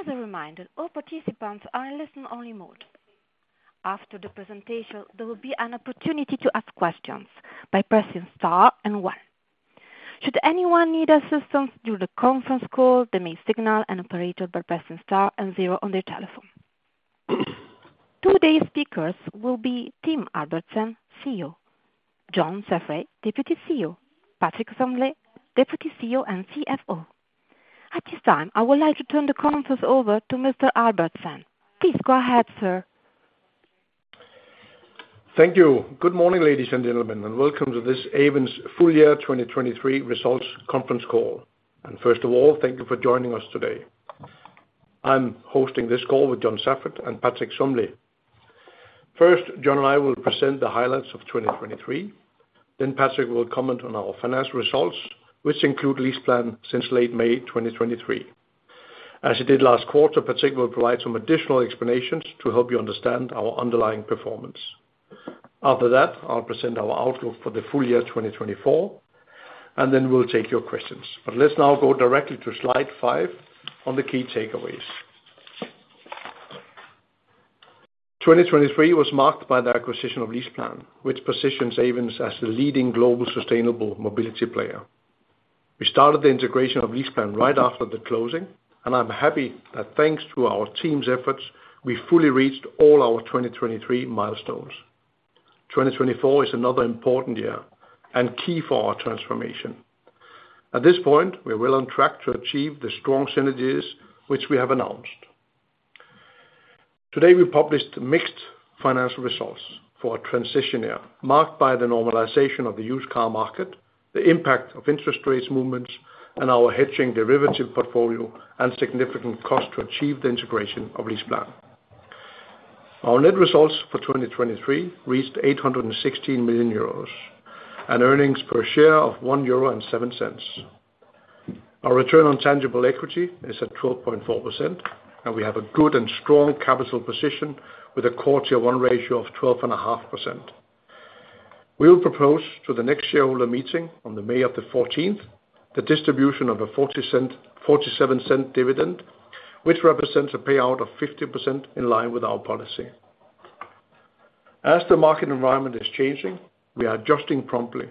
As a reminder, all participants are in listen-only mode. After the presentation, there will be an opportunity to ask questions by pressing star and one. Should anyone need assistance during the conference call, they may signal an operator by pressing star and zero on their telephone. Today's speakers will be Tim Albertsen, CEO; John Saffrett, Deputy CEO; Patrick Sommelet, Deputy CEO and CFO. At this time, I would like to turn the conference over to Mr. Albertsen. Please go ahead, sir. Thank you. Good morning, ladies and gentlemen, and welcome to this Ayvens full year 2023 results conference call. First of all, thank you for joining us today. I'm hosting this call with John Saffrett and Patrick Sommelet. First, John and I will present the highlights of 2023, then Patrick will comment on our financial results, which include LeasePlan since late May 2023. As he did last quarter, Patrick will provide some additional explanations to help you understand our underlying performance. After that, I'll present our outlook for the full year 2024, and then we'll take your questions. But let's now go directly to slide five on the key takeaways. 2023 was marked by the acquisition of LeasePlan, which positions Ayvens as the leading global sustainable mobility player. We started the integration of LeasePlan right after the closing, and I'm happy that thanks to our team's efforts, we fully reached all our 2023 milestones. 2024 is another important year and key for our transformation. At this point, we're well on track to achieve the strong synergies which we have announced. Today, we published mixed financial results for a transition year, marked by the normalization of the used car market, the impact of interest rates movements, and our hedging derivative portfolio, and significant cost to achieve the integration of LeasePlan. Our net results for 2023 reached 816 million euros, and earnings per share of 1.07 euro. Our return on tangible equity is at 12.4%, and we have a good and strong capital position, with a core Tier 1 ratio of 12.5%. We will propose to the next shareholder meeting on the 14th of May, the distribution of a 0.47 dividend, which represents a payout of 50% in line with our policy. As the market environment is changing, we are adjusting promptly.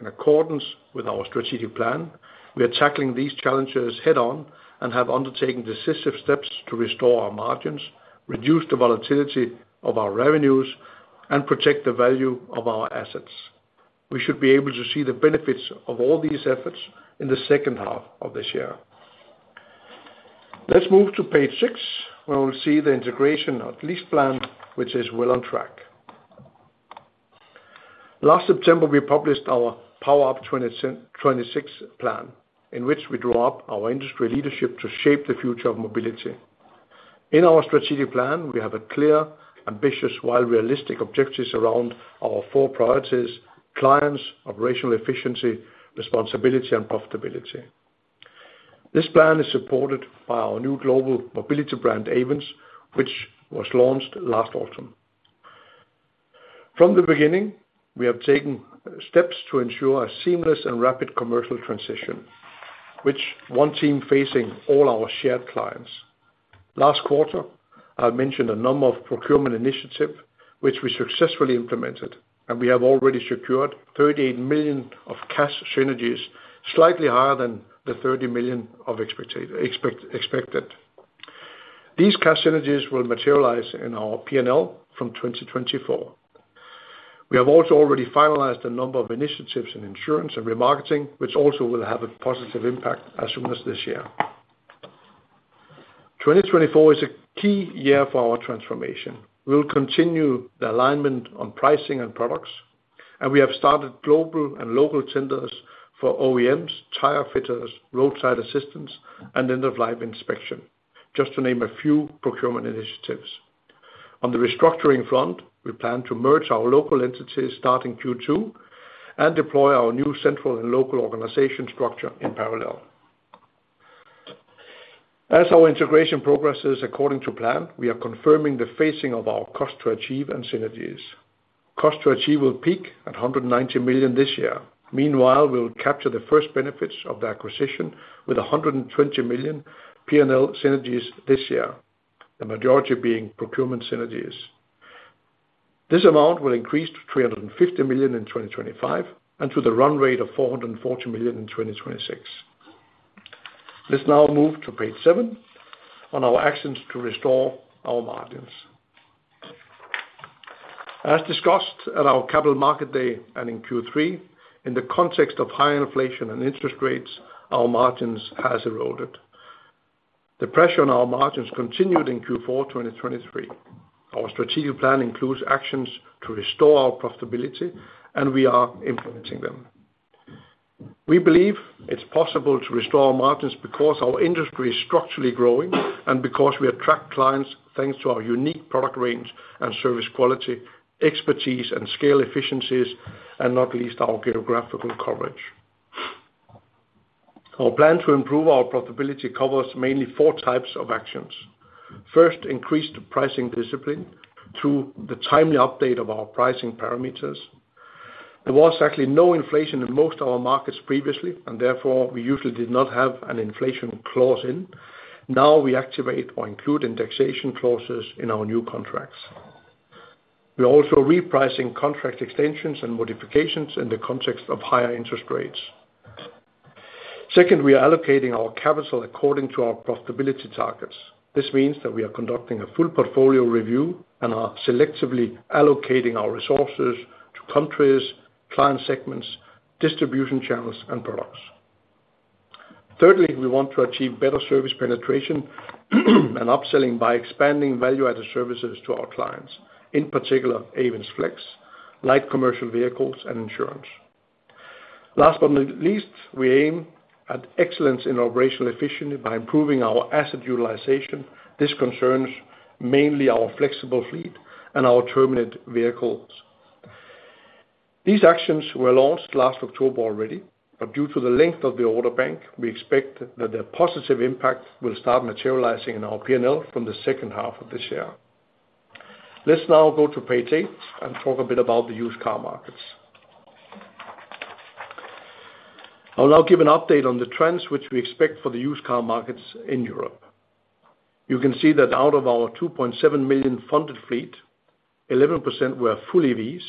In accordance with our strategic plan, we are tackling these challenges head-on and have undertaken decisive steps to restore our margins, reduce the volatility of our revenues, and protect the value of our assets. We should be able to see the benefits of all these efforts in the second half of this year. Let's move to page six, where we'll see the integration of LeasePlan, which is well on track. Last September, we published our PowerUp 2026 plan, in which we draw up our industry leadership to shape the future of mobility. In our strategic plan, we have a clear, ambitious, while realistic, objectives around our four priorities: clients, operational efficiency, responsibility, and profitability. This plan is supported by our new global mobility brand, Ayvens, which was launched last autumn. From the beginning, we have taken steps to ensure a seamless and rapid commercial transition, which one team facing all our shared clients. Last quarter, I mentioned a number of procurement initiative which we successfully implemented, and we have already secured 38 million of cash synergies, slightly higher than the 30 million of expected. These cash synergies will materialize in our P&L from 2024. We have also already finalized a number of initiatives in insurance and remarketing, which also will have a positive impact as soon as this year. 2024 is a key year for our transformation. We will continue the alignment on pricing and products, and we have started global and local tenders for OEMs, tire fitters, roadside assistance, and end-of-life inspection, just to name a few procurement initiatives. On the restructuring front, we plan to merge our local entities starting Q2 and deploy our new central and local organizational structure in parallel. As our integration progresses according to plan, we are confirming the phasing of our Cost to Achieve and synergies. Cost to Achieve will peak at 190 million this year. Meanwhile, we'll capture the first benefits of the acquisition with 120 million P&L synergies this year, the majority being procurement synergies. This amount will increase to 350 million in 2025 and to the run rate of 440 million in 2026. Let's now move to page seven on our actions to restore our margins. As discussed at our Capital Market Day and in Q3, in the context of high inflation and interest rates, our margins has eroded. The pressure on our margins continued in Q4, 2023. Our strategic plan includes actions to restore our profitability, and we are implementing them. We believe it's possible to restore our margins because our industry is structurally growing and because we attract clients, thanks to our unique product range and service quality, expertise and scale efficiencies, and not least our geographical coverage. Our plan to improve our profitability covers mainly four types of actions. First, increase the pricing discipline through the timely update of our pricing parameters. There was actually no inflation in most of our markets previously, and therefore, we usually did not have an inflation clause in. Now we activate or include indexation clauses in our new contracts. We're also repricing contract extensions and modifications in the context of higher interest rates. Second, we are allocating our capital according to our profitability targets. This means that we are conducting a full portfolio review and are selectively allocating our resources to countries, client segments, distribution channels, and products. Thirdly, we want to achieve better service penetration and upselling by expanding value-added services to our clients, in particular, Ayvens Flex, light commercial vehicles, and insurance. Last but not least, we aim at excellence in operational efficiency by improving our asset utilization. This concerns mainly our flexible fleet and our terminated vehicles. These actions were launched last October already, but due to the length of the order bank, we expect that their positive impact will start materializing in our P&L from the second half of this year. Let's now go to page eight and talk a bit about the used car markets. I'll now give an update on the trends which we expect for the used car markets in Europe. You can see that out of our 2.7 million funded fleet, 11% were full EVs,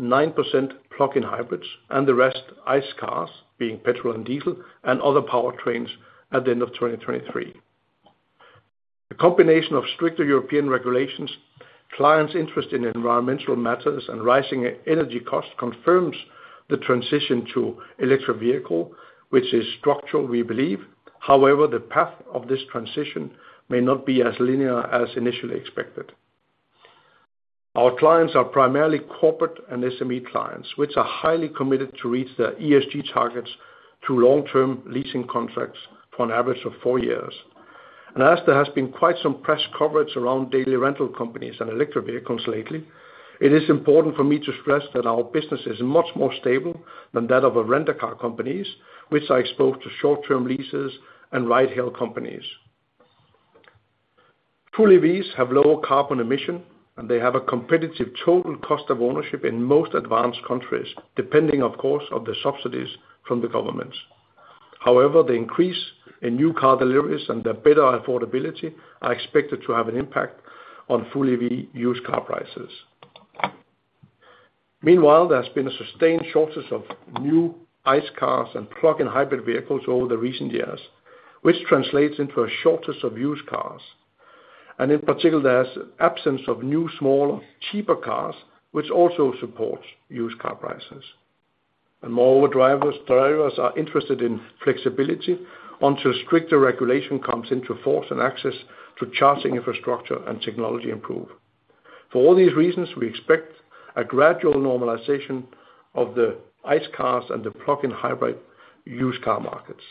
9% plug-in hybrids, and the rest ICE cars, being petrol and diesel, and other powertrains at the end of 2023. The combination of stricter European regulations, clients' interest in environmental matters, and rising energy costs confirms the transition to electric vehicle, which is structural, we believe. However, the path of this transition may not be as linear as initially expected. Our clients are primarily corporate and SME clients, which are highly committed to reach their ESG targets through long-term leasing contracts for an average of four years. As there has been quite some press coverage around daily rental companies and electric vehicles lately, it is important for me to stress that our business is much more stable than that of a rent-a-car companies, which are exposed to short-term leases and ride-hail companies. Full EVs have lower carbon emission, and they have a competitive total cost of ownership in most advanced countries, depending, of course, on the subsidies from the governments. However, the increase in new car deliveries and the better affordability are expected to have an impact on full EV used car prices. Meanwhile, there's been a sustained shortage of new ICE cars and plug-in hybrid vehicles over the recent years, which translates into a shortage of used cars. And in particular, there's absence of new, small, cheaper cars, which also supports used car prices. Moreover, drivers, drivers are interested in flexibility until stricter regulation comes into force and access to charging infrastructure and technology improve. For all these reasons, we expect a gradual normalization of the ICE cars and the plug-in hybrid used car markets.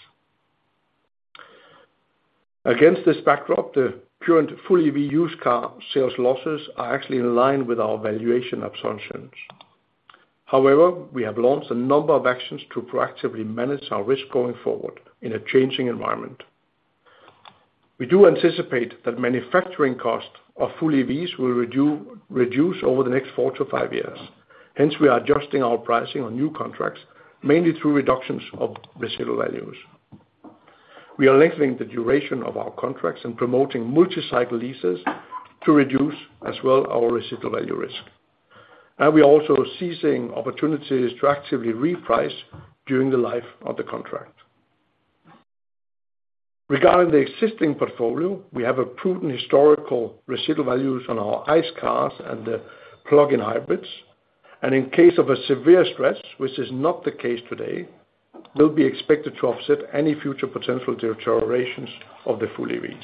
Against this backdrop, the current full EV used car sales losses are actually in line with our valuation assumptions. However, we have launched a number of actions to proactively manage our risk going forward in a changing environment. We do anticipate that manufacturing cost of full EVs will reduce over the next 4-5 years. Hence, we are adjusting our pricing on new contracts, mainly through reductions of residual values. We are lengthening the duration of our contracts and promoting multi-cycle leases to reduce as well our residual value risk. And we are also seizing opportunities to actively reprice during the life of the contract. Regarding the existing portfolio, we have a proven historical residual values on our ICE cars and the plug-in hybrids, and in case of a severe stress, which is not the case today, they'll be expected to offset any future potential deteriorations of the full EVs.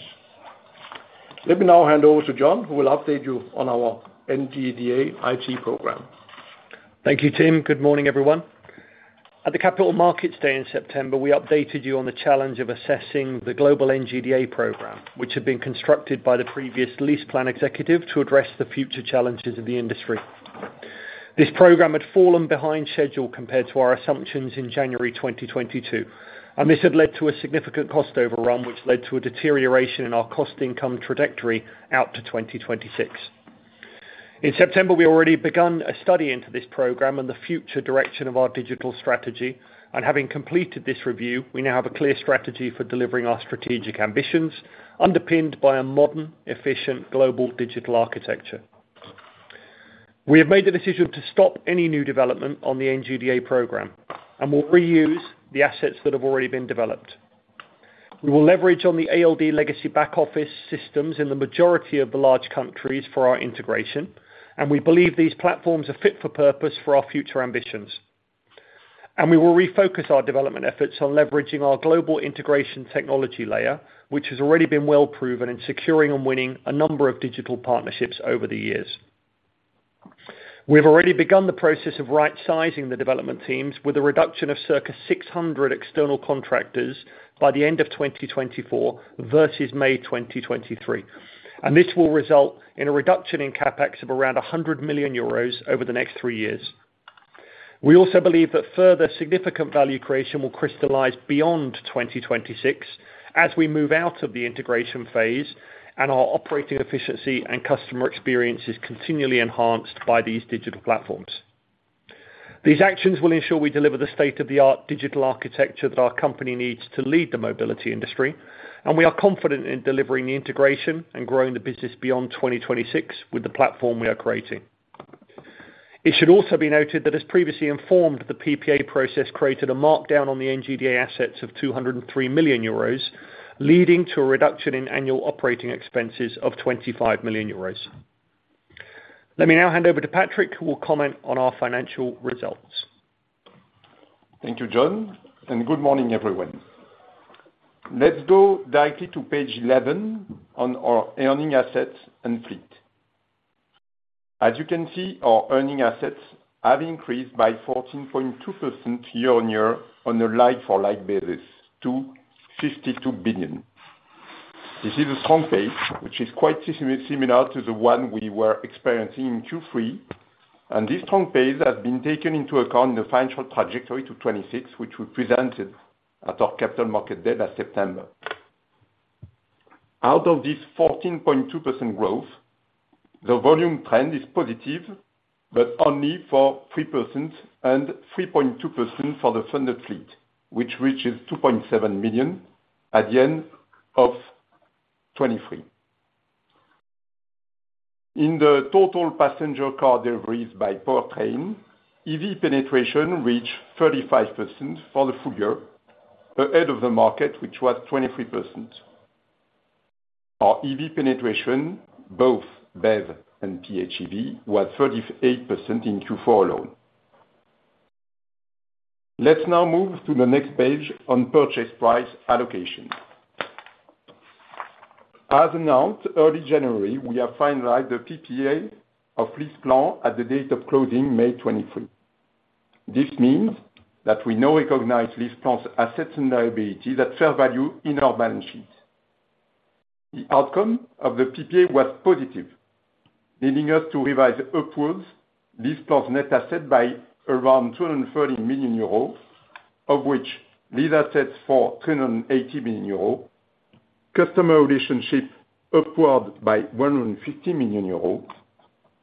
Let me now hand over to John, who will update you on our NGDA IT program. Thank you, Tim. Good morning, everyone. At the Capital Markets Day in September, we updated you on the challenge of assessing the global NGDA program, which had been constructed by the previous LeasePlan executive to address the future challenges of the industry. This program had fallen behind schedule compared to our assumptions in January 2022, and this had led to a significant cost overrun, which led to a deterioration in our cost income trajectory out to 2026. In September, we already begun a study into this program and the future direction of our digital strategy, and having completed this review, we now have a clear strategy for delivering our strategic ambitions, underpinned by a modern, efficient, global digital architecture. We have made the decision to stop any new development on the NGDA program, and we'll reuse the assets that have already been developed. We will leverage on the ALD legacy back office systems in the majority of the large countries for our integration, and we believe these platforms are fit for purpose for our future ambitions. We will refocus our development efforts on leveraging our global integration technology layer, which has already been well proven in securing and winning a number of digital partnerships over the years. We've already begun the process of right-sizing the development teams with a reduction of circa 600 external contractors by the end of 2024 versus May 2023, and this will result in a reduction in CapEx of around 100 million euros over the next three years. We also believe that further significant value creation will crystallize beyond 2026 as we move out of the integration phase and our operating efficiency and customer experience is continually enhanced by these digital platforms. These actions will ensure we deliver the state-of-the-art digital architecture that our company needs to lead the mobility industry, and we are confident in delivering the integration and growing the business beyond 2026 with the platform we are creating. It should also be noted that as previously informed, the PPA process created a markdown on the NGDA assets of 203 million euros, leading to a reduction in annual operating expenses of 25 million euros. Let me now hand over to Patrick, who will comment on our financial results. Thank you, John, and good morning, everyone. Let's go directly to page 11 on our earning assets and fleet. As you can see, our earning assets have increased by 14.2% year-on-year on a like-for-like basis to 52 billion. This is a strong pace, which is quite similar to the one we were experiencing in Q3, and this strong pace has been taken into account in the financial trajectory to 2026, which we presented at our Capital Markets Day last September. Out of this 14.2% growth, the volume trend is positive, but only for 3% and 3.2% for the funded fleet, which reaches 2.7 million at the end of 2023. In the total passenger car deliveries by powertrain, EV penetration reached 35% for the full year, ahead of the market, which was 23%. Our EV penetration, both BEV and PHEV, was 38% in Q4 alone. Let's now move to the next page on purchase price allocation. As announced early January, we have finalized the PPA of LeasePlan at the date of closing, May 23. This means that we now recognize LeasePlan's assets and liability, that fair value in our balance sheet. The outcome of the PPA was positive, leading us to revise upwards LeasePlan's net asset by around 230 million euros, of which lease assets for 280 million euros, customer relationship upward by 150 million euros,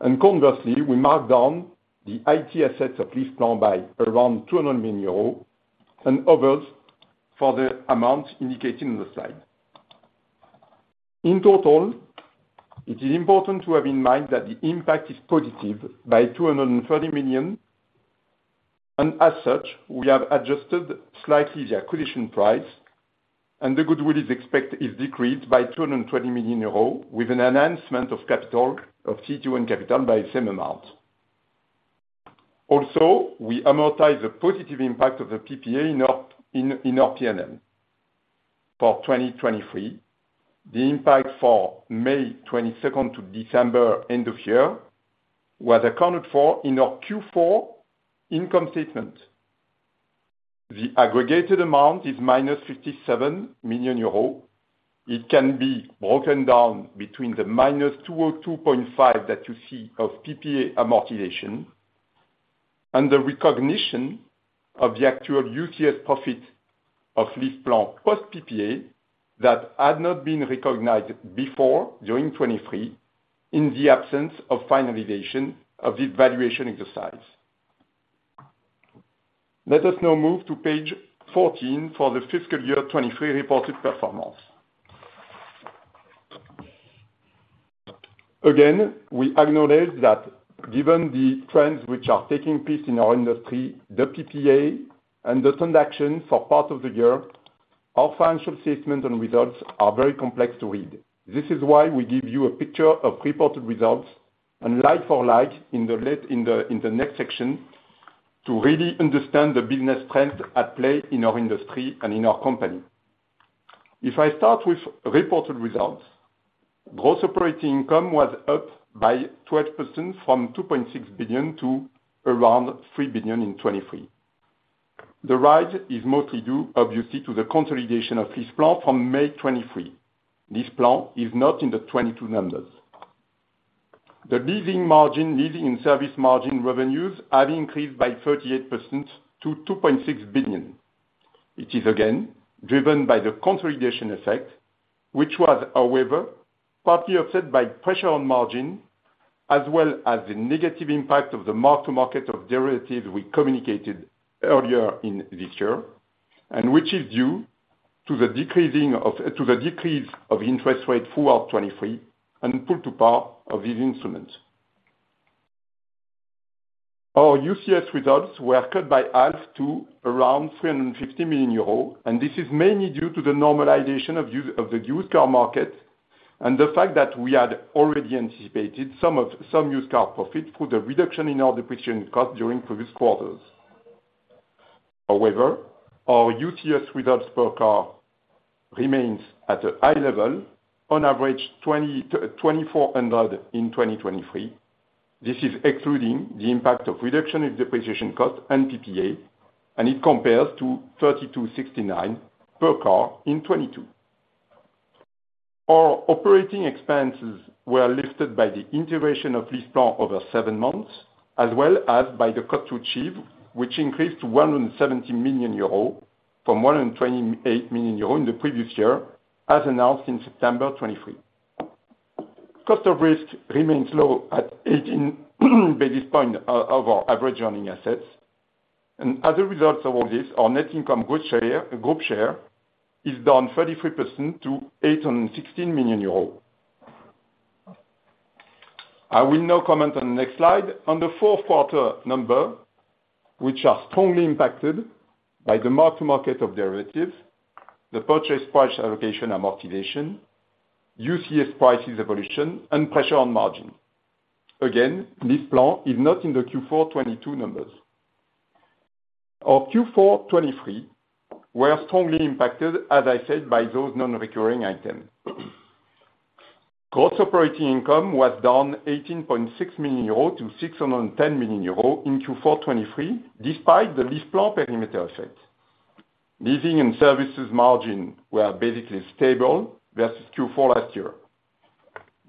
and conversely, we marked down the IT assets of LeasePlan by around 200 million euros and others for the amount indicated in the slide. In total, it is important to have in mind that the impact is positive by 230 million, and as such, we have adjusted slightly the acquisition price, and the goodwill is expected is decreased by 220 million euros, with an enhancement of capital, of tier one capital by the same amount. Also, we amortize the positive impact of the PPA in our PNL. For 2023, the impact for May 22nd to December, end of year, was accounted for in our Q4 income statement. The aggregated amount is -57 million euros. It can be broken down between the -202.5 that you see of PPA amortization, and the recognition of the actual UCS profit of LeasePlan post PPA that had not been recognized before, during 2023, in the absence of finalization of the valuation exercise. Let us now move to page 14 for the fiscal year 2023 reported performance. Again, we acknowledge that given the trends which are taking place in our industry, the PPA and the transaction for part of the year, our financial statement and results are very complex to read. This is why we give you a picture of reported results and like for like in the next section, to really understand the business trends at play in our industry and in our company. If I start with reported results, gross operating income was up by 12% from 2.6 billion to around 3 billion in 2023. The rise is mostly due, obviously, to the consolidation of LeasePlan from May 2023. LeasePlan is not in the 2022 numbers. The leasing margin, leasing and service margin revenues have increased by 38% to 2.6 billion. It is again, driven by the consolidation effect, which was, however, partly offset by pressure on margin, as well as the negative impact of the mark to market of derivatives we communicated earlier in this year, and which is due to the decrease of interest rates throughout 2023 and put to par of these instruments. Our UCS results were cut by half to around 350 million euros, and this is mainly due to the normalization of the used car market, and the fact that we had already anticipated some used car profit through the reduction in our depreciation cost during previous quarters. However, our UCS results per car remains at a high level, on average, 2,400 in 2023. This is excluding the impact of reduction in depreciation cost and PPA, and it compares to 3,269 per car in 2022. Our operating expenses were lifted by the integration of LeasePlan over seven months, as well as by the cost to achieve, which increased to 170 million euros from 128 million euros in the previous year, as announced in September 2023. Cost of risk remains low at 18 basis points over average earning assets. And as a result of all this, our net income good share, group share is down 33% to 816 million euros. I will now comment on the next slide, on the fourth quarter number, which are strongly impacted by the mark to market of derivatives, the purchase price allocation, and amortization, UCS prices evolution, and pressure on margin. Again, LeasePlan is not in the Q4 2022 numbers. Our Q4 2023 were strongly impacted, as I said, by those non-recurring items. Gross operating income was down 18.6 million euros to 610 million euros in Q4 2023, despite the LeasePlan perimeter effect. Leasing and services margin were basically stable versus Q4 last year.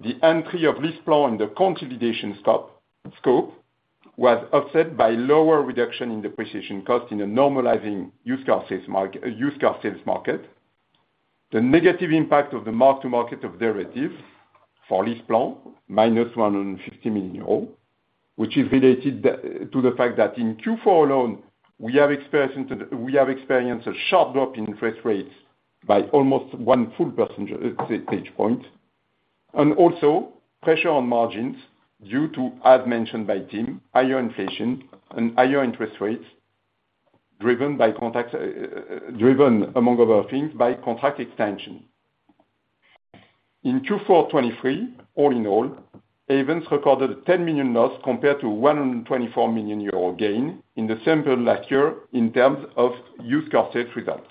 The entry of LeasePlan, the consolidation scope was offset by lower reduction in depreciation cost in a normalizing used car sales market, used car sales market. The negative impact of the mark to market of derivatives for LeasePlan, -150 million euros, which is related to the fact that in Q4 alone, we have experienced a sharp drop in interest rates by almost one full percentage point, and also pressure on margins due to, as mentioned by Tim, higher inflation and higher interest rates, driven by contract, driven, among other things, by contract extension. In Q4 2023, all in all, Ayvens recorded a 10 million loss compared to 124 million euro gain in the same period last year in terms of used car sales results.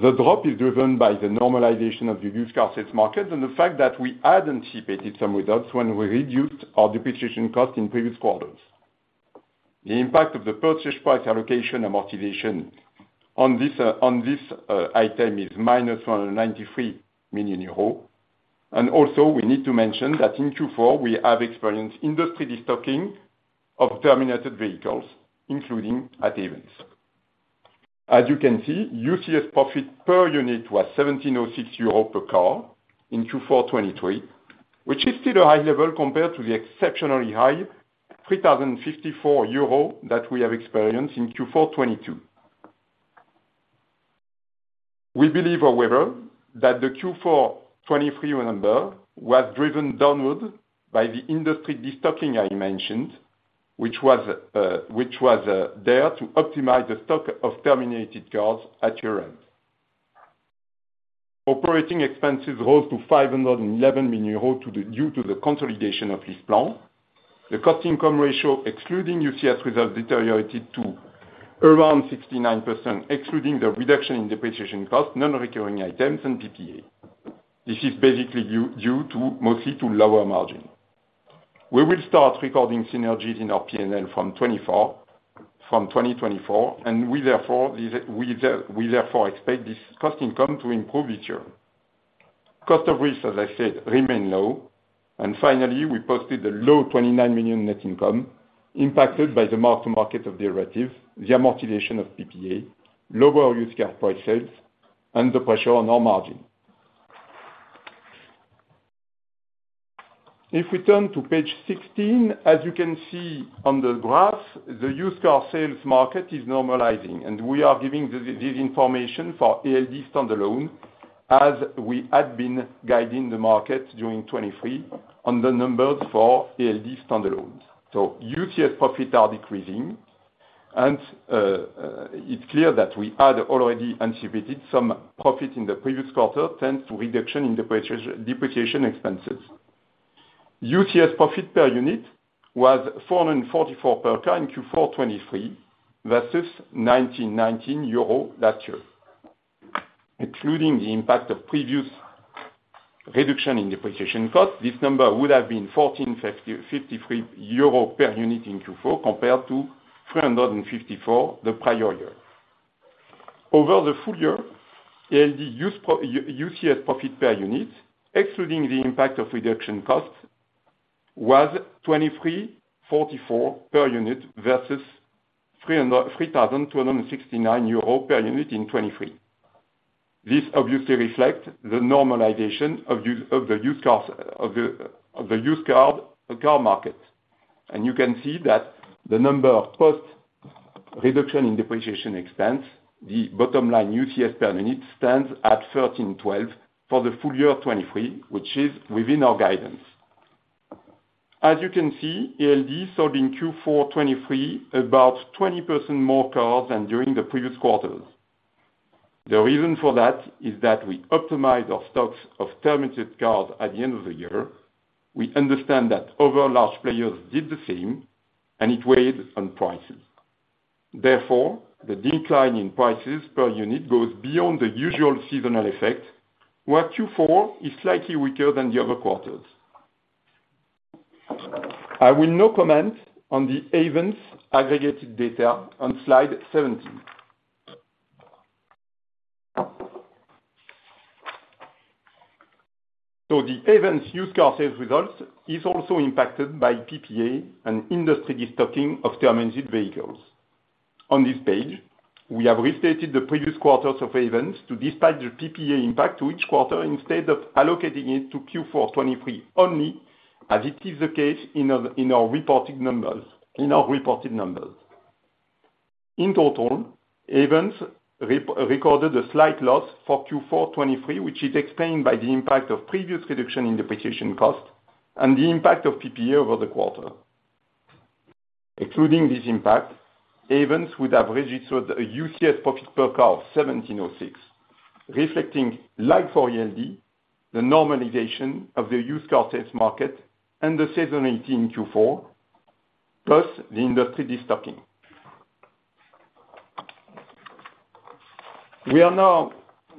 The drop is driven by the normalization of the used car sales market, and the fact that we anticipated some results when we reduced our depreciation cost in previous quarters. The impact of the purchase price allocation amortization on this item is minus 193 million euros. And also, we need to mention that in Q4, we have experienced industry destocking of terminated vehicles, including at Ayvens. As you can see, UCS profit per unit was 1,706 euro per car in Q4 2023, which is still a high level compared to the exceptionally high 3,054 euro that we have experienced in Q4 2022. We believe, however, that the Q4 2023 number was driven downward by the industry destocking I mentioned, which was there to optimize the stock of terminated cars at year-end. Operating expenses rose to 511 million euros due to the consolidation of LeasePlan. The cost income ratio, excluding UCS results, deteriorated to around 69%, excluding the reduction in depreciation cost, non-recurring items, and PPA. This is basically due mostly to lower margin. We will start recording synergies in our P&L from 2024, and we therefore expect this cost income to improve each year. Cost of risk, as I said, remain low, and finally, we posted a low 29 million net income, impacted by the mark to market of derivatives, the amortization of PPA, lower used car price sales, and the pressure on our margin. If we turn to page 16, as you can see on the graph, the used car sales market is normalizing, and we are giving this information for ALD standalone, as we had been guiding the market during 2023 on the numbers for ALD standalone. UCS profits are decreasing, and it's clear that we had already anticipated some profit in the previous quarter, thanks to reduction in the prospective depreciation expenses. UCS profit per unit was 444 per car in Q4 2023, versus 1,919 euro last year. Including the impact of previous reduction in depreciation cost, this number would have been 1,453 euro EUR per unit in Q4, compared to 354 the prior year. Over the full year, ALD used UCS profit per unit, excluding the impact of reduction costs, was 2,344 per unit versus 3,269 euros per unit in 2023. This obviously reflects the normalization of the used car market. And you can see that the number of post reduction in depreciation expense, the bottom line, UCS per unit, stands at 1,312 for the full year 2023, which is within our guidance. As you can see, ALD sold in Q4 2023, about 20% more cars than during the previous quarters. The reason for that is that we optimize our stocks of terminated cars at the end of the year. We understand that other large players did the same, and it weighed on prices. Therefore, the decline in prices per unit goes beyond the usual seasonal effect, where Q4 is slightly weaker than the other quarters. I will not comment on the Ayvens aggregated data on slide 17. So the Ayvens used car sales results is also impacted by PPA and industry destocking of terminated vehicles. On this page, we have restated the previous quarters of events to dispatch the PPA impact to each quarter, instead of allocating it to Q4 2023 only, as it is the case in our reporting numbers, in our reported numbers. In total, Ayvens recorded a slight loss for Q4 2023, which is explained by the impact of previous reduction in depreciation costs and the impact of PPA over the quarter. Excluding this impact, Ayvens would have registered a UCS profit per car of 1,706, reflecting like for ALD, the normalization of the used car sales market and the seasonality in Q4, plus the industry destocking. We are now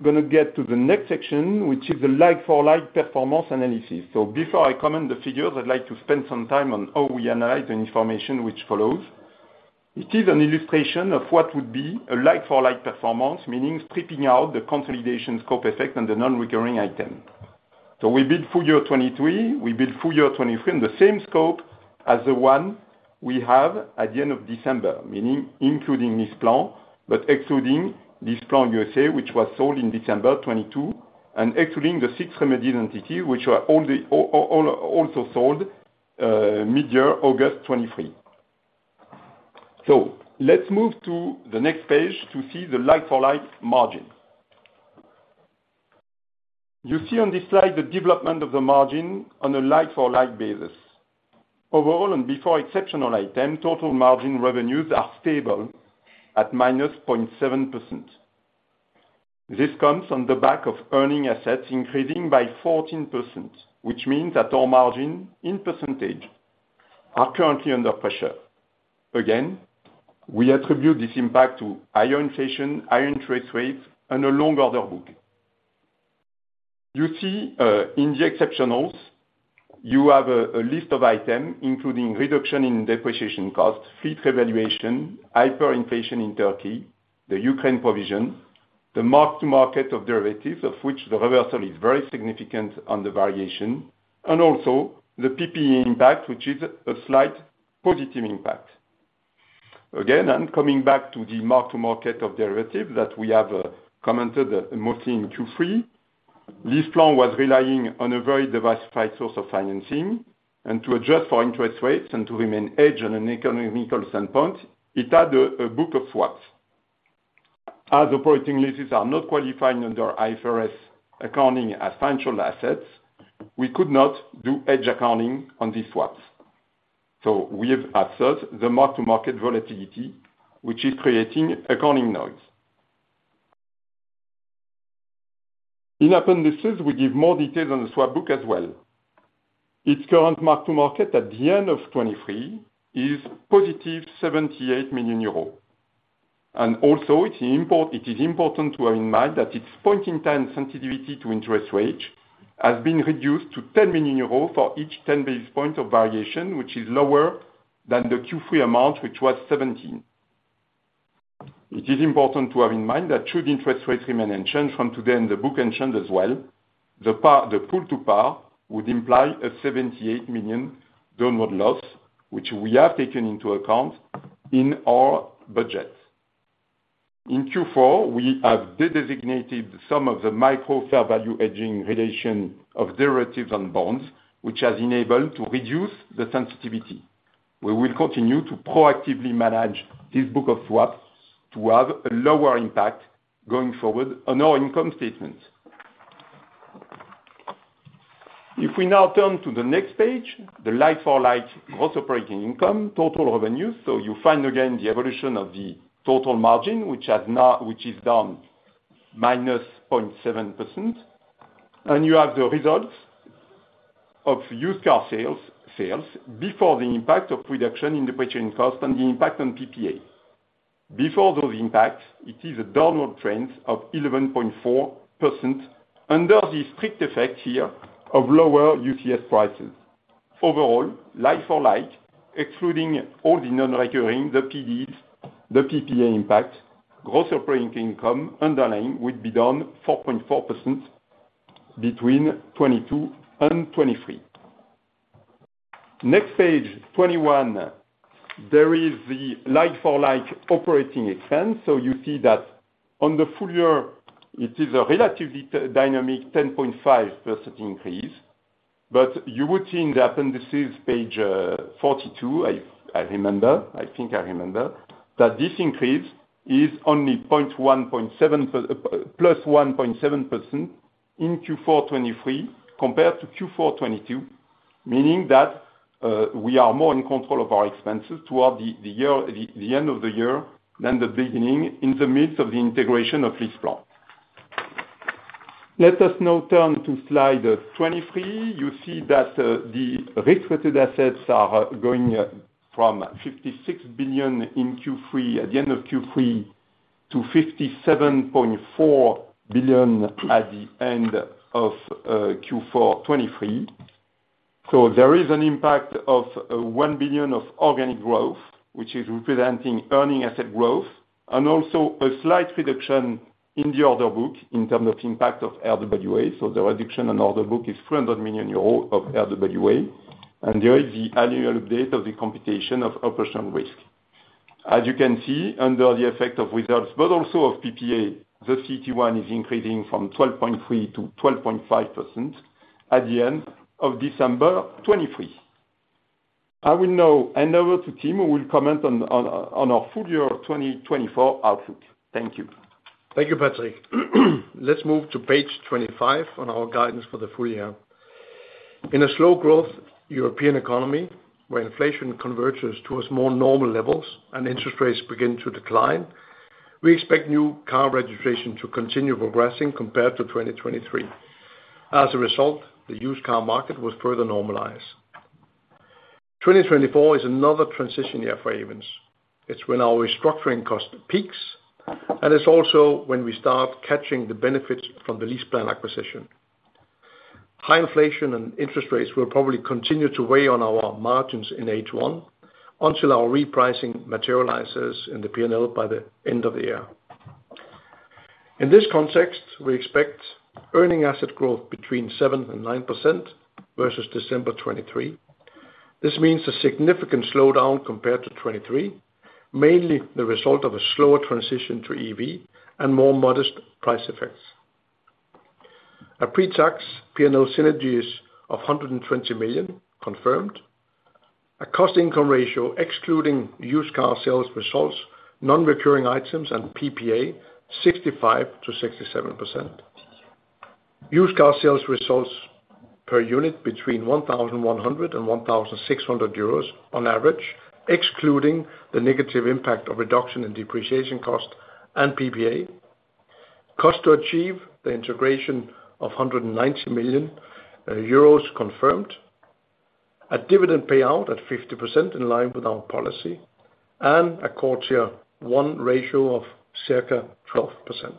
gonna get to the next section, which is the like-for-like performance analysis. So before I comment the figures, I'd like to spend some time on how we analyze the information which follows. It is an illustration of what would be a like-for-like performance, meaning stripping out the consolidation scope effect and the non-recurring item. So we build full year 2023. We build full year 2023 in the same scope as the one we have at the end of December, meaning including LeasePlan, but excluding LeasePlan USA, which was sold in December 2022, and excluding the 600 entities, which were all also sold mid-year, August 2023. So let's move to the next page to see the like for like margin. You see on this slide, the development of the margin on a like-for-like basis. Overall, and before exceptional item, total margin revenues are stable at -0.7%. This comes on the back of earning assets increasing by 14%, which means that our margin in percentage are currently under pressure. Again, we attribute this impact to higher inflation, higher interest rates, and a long order book. You see, in the exceptionals, you have a list of items, including reduction in depreciation costs, fleet revaluation, hyperinflation in Turkey, the Ukraine provision, the mark to market of derivatives, of which the reversal is very significant on the variation, and also the PPE impact, which is a slight positive impact. Again, I'm coming back to the mark to market of derivative that we have commented mostly in Q3. This plan was relying on a very diversified source of financing, and to adjust for interest rates and to remain hedged on an economic standpoint, it had a book of swaps. As operating leases are not qualifying under IFRS accounting as financial assets, we could not do hedge accounting on these swaps. So we have observed the mark to market volatility, which is creating accounting noise. In appendices, we give more details on the swap book as well. Its current mark to market at the end of 2023 is positive 78 million euros. And also, it is important to have in mind that its point in time sensitivity to interest rate has been reduced to 10 million euros for each 10 basis points of variation, which is lower than the Q3 amount, which was 17. It is important to have in mind that should interest rates remain unchanged from today, and the book unchanged as well, the pull to par would imply a 78 million downward loss, which we have taken into account in our budgets. In Q4, we have designated some of the micro fair value hedging relation of derivatives on bonds, which has enabled to reduce the sensitivity. We will continue to proactively manage this book of swaps to have a lower impact going forward on our income statements. If we now turn to the next page, the like for like, gross operating income, total revenue. So you find, again, the evolution of the total margin, which is down -0.7%, and you have the results of used car sales before the impact of reduction in the purchasing cost and the impact on PPA. Before those impacts, it is a downward trend of 11.4% under the strict effect here of lower UCS prices. Overall, like-for-like, excluding all the non-recurring, the PDs, the PPA impact, gross operating income underlying would be down 4.4% between 2022 and 2023. Next page, 21. There is the like-for-like operating expense, so you see that on the full year, it is a relatively dynamic 10.5% increase. But you would see in the appendices, page 42, I, I remember, I think I remember, that this increase is only plus 1.7% in Q4 2023 compared to Q4 2022, meaning that we are more in control of our expenses toward the, the year, the, the end of the year than the beginning in the midst of the integration of LeasePlan. Let us now turn to slide 23. You see that, the risk-weighted assets are going from 56 billion in Q3, at the end of Q3, to 57.4 billion at the end of Q4 2023. So there is an impact of 1 billion of organic growth, which is representing earning asset growth, and also a slight reduction in the order book in terms of impact of RWA. So the reduction in order book is 300 million euros of RWA, and there is the annual date of the computation of operational risk. As you can see, under the effect of results, but also of PPA, the CT1 is increasing from 12.3%-12.5% at the end of December 2023. I will now hand over to Tim, who will comment on our full year 2024 outlook. Thank you. Thank you, Patrick. Let's move to page 25 on our guidance for the full year. In a slow growth European economy, where inflation converges towards more normal levels and interest rates begin to decline, we expect new car registration to continue progressing compared to 2023. As a result, the used car market will further normalize. 2024 is another transition year for Ayvens. It's when our restructuring cost peaks, and it's also when we start catching the benefits from the LeasePlan acquisition. High inflation and interest rates will probably continue to weigh on our margins in H1, until our repricing materializes in the P&L by the end of the year. In this context, we expect earning asset growth between 7% and 9% versus December 2023. This means a significant slowdown compared to 2023, mainly the result of a slower transition to EV and more modest price effects. A pre-tax P&L synergies of 120 million confirmed. A cost income ratio, excluding used car sales results, non-recurring items and PPA, 65%-67%. Used car sales results per unit between 1,100-1,600 euros on average, excluding the negative impact of reduction in depreciation cost and PPA. Cost to achieve the integration of 190 million euros confirmed. A dividend payout at 50% in line with our policy, and a core Tier 1 ratio of circa 12%.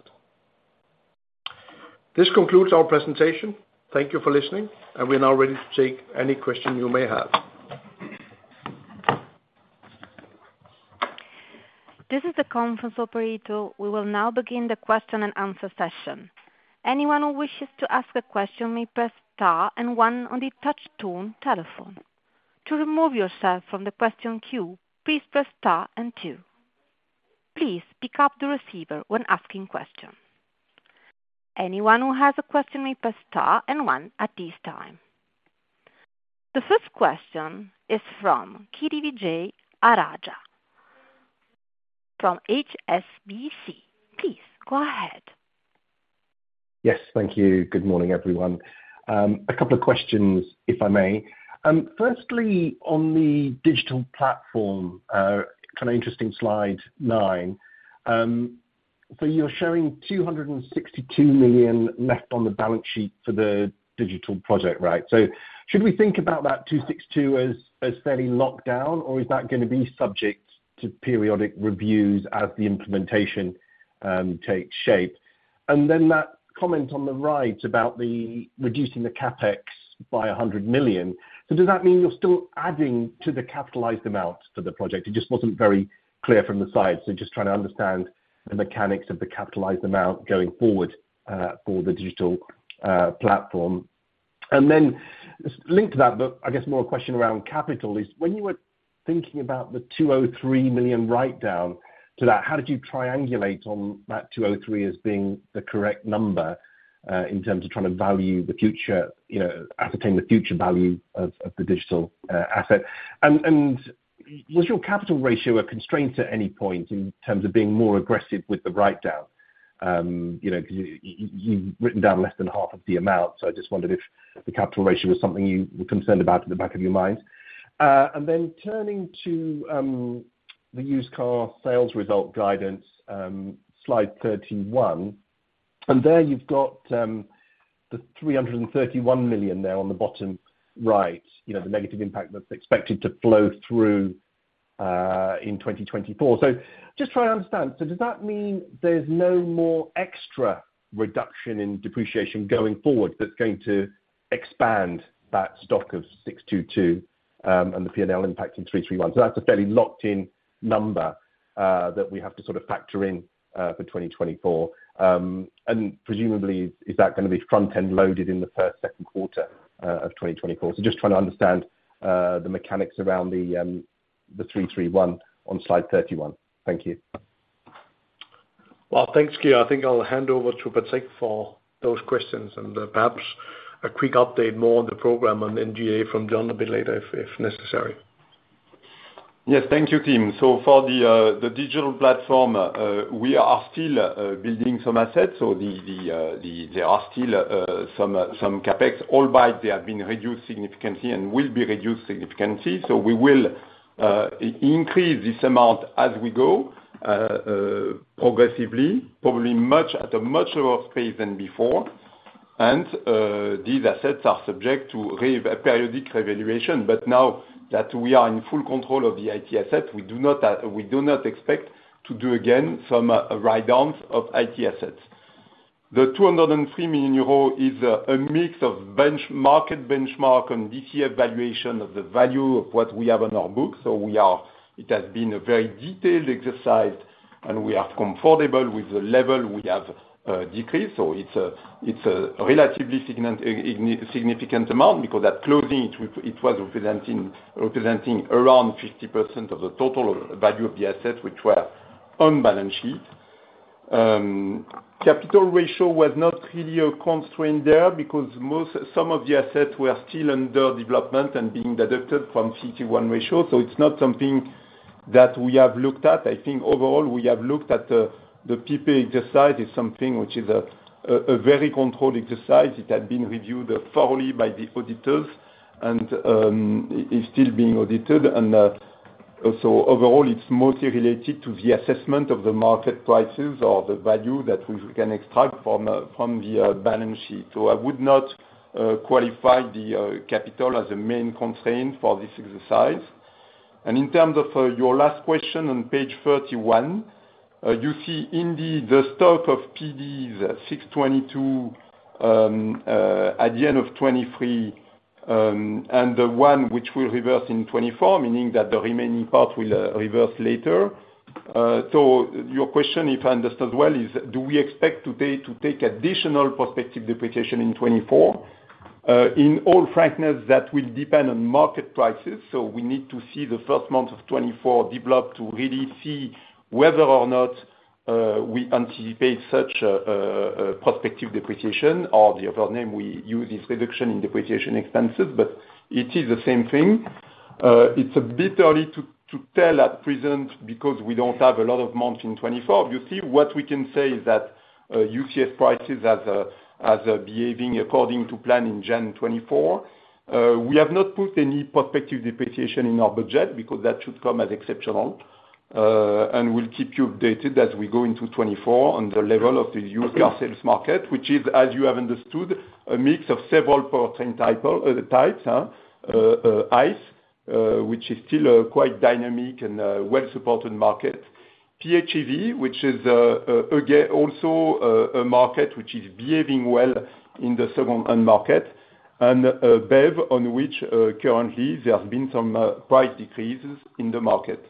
This concludes our presentation. Thank you for listening, and we're now ready to take any questions you may have. This is the conference operator. We will now begin the question-and-answer session. Anyone who wishes to ask a question may press star and one on the touch tone telephone. To remove yourself from the question queue, please press star and two. Please pick up the receiver when asking questions. Anyone who has a question may press star and one at this time. The first question is from Kiri Vijayarajah from HSBC. Please, go ahead. Yes, thank you. Good morning, everyone. A couple of questions, if I may. Firstly, on the digital platform, kind of interesting slide nine. So you're showing 262 million left on the balance sheet for the digital project, right? So should we think about that 262 as fairly locked down, or is that going to be subject to periodic reviews as the implementation takes shape? Then that comment on the right about reducing the CapEx by 100 million, so does that mean you're still adding to the capitalized amount for the project? It just wasn't very clear from the slide, so just trying to understand the mechanics of the capitalized amount going forward for the digital platform. And then linked to that, but I guess more a question around capital is: when you were thinking about the 203 million write-down, so that, how did you triangulate on that 203 as being the correct number, in terms of trying to value the future, you know, ascertain the future value of the digital asset? And was your capital ratio a constraint at any point in terms of being more aggressive with the write-down? You know, because you've written down less than half of the amount, so I just wondered if the capital ratio was something you were concerned about in the back of your mind. And then turning to the used car sales result guidance, slide 31, and there you've got the 331 million there on the bottom right. You know, the negative impact that's expected to flow through in 2024. So just trying to understand, so does that mean there's no more extra reduction in depreciation going forward, that's going to expand that stock of 622, and the P&L impact in 331? So that's a fairly locked-in number that we have to sort of factor in for 2024. And presumably, is that going to be front-end loaded in the first, second quarter of 2024? So just trying to understand the mechanics around the 331 on slide 31. Thank you. Well, thanks, Kiri. I think I'll hand over to Patrick for those questions, and perhaps a quick update more on the program on NGDA from John a bit later, if necessary. Yes, thank you, Tim. So for the digital platform, we are still building some assets, so there are still some CapEx, albeit they have been reduced significantly and will be reduced significantly. So we will increase this amount as we go progressively, probably much at a much lower pace than before. And these assets are subject to a periodic revaluation. But now that we are in full control of the IT asset, we do not expect to do again some write downs of IT assets. The 203 million euro is a mix of bench, market benchmark and DCF valuation of the value of what we have on our books. It has been a very detailed exercise, and we are comfortable with the level we have decreased. So it's a relatively significant amount because at closing, it was representing around 50% of the total value of the assets which were on balance sheet. Capital ratio was not really a constraint there because some of the assets were still under development and being deducted from CT1 ratio. So it's not something that we have looked at. I think overall, the PPA exercise is something which is a very controlled exercise. It had been reviewed thoroughly by the auditors, and it's still being audited. So overall, it's mostly related to the assessment of the market prices or the value that we can extract from the balance sheet. So I would not qualify the capital as a main constraint for this exercise. And in terms of your last question on page 31, you see indeed the stock of PDs 622 at the end of 2023, and the one which will reverse in 2024, meaning that the remaining part will reverse later. So your question, if I understood well, is do we expect today to take additional prospective depreciation in 2024? In all frankness, that will depend on market prices, so we need to see the first month of 2024 develop to really see whether or not we anticipate such a prospective depreciation or the other name we use is reduction in depreciation expenses, but it is the same thing. It's a bit early to tell at present because we don't have a lot of months in 2024. You see, what we can say is that UCS prices are behaving according to plan in January 2024. We have not put any prospective depreciation in our budget because that should come as exceptional. And we'll keep you updated as we go into 2024 on the level of the UCS sales market, which is, as you have understood, a mix of several powertrain types, ICE, which is still a quite dynamic and well-supported market. PHEV, which is, again, also, a market which is behaving well in the second-hand market, and BEV, on which, currently there have been some price decreases in the market.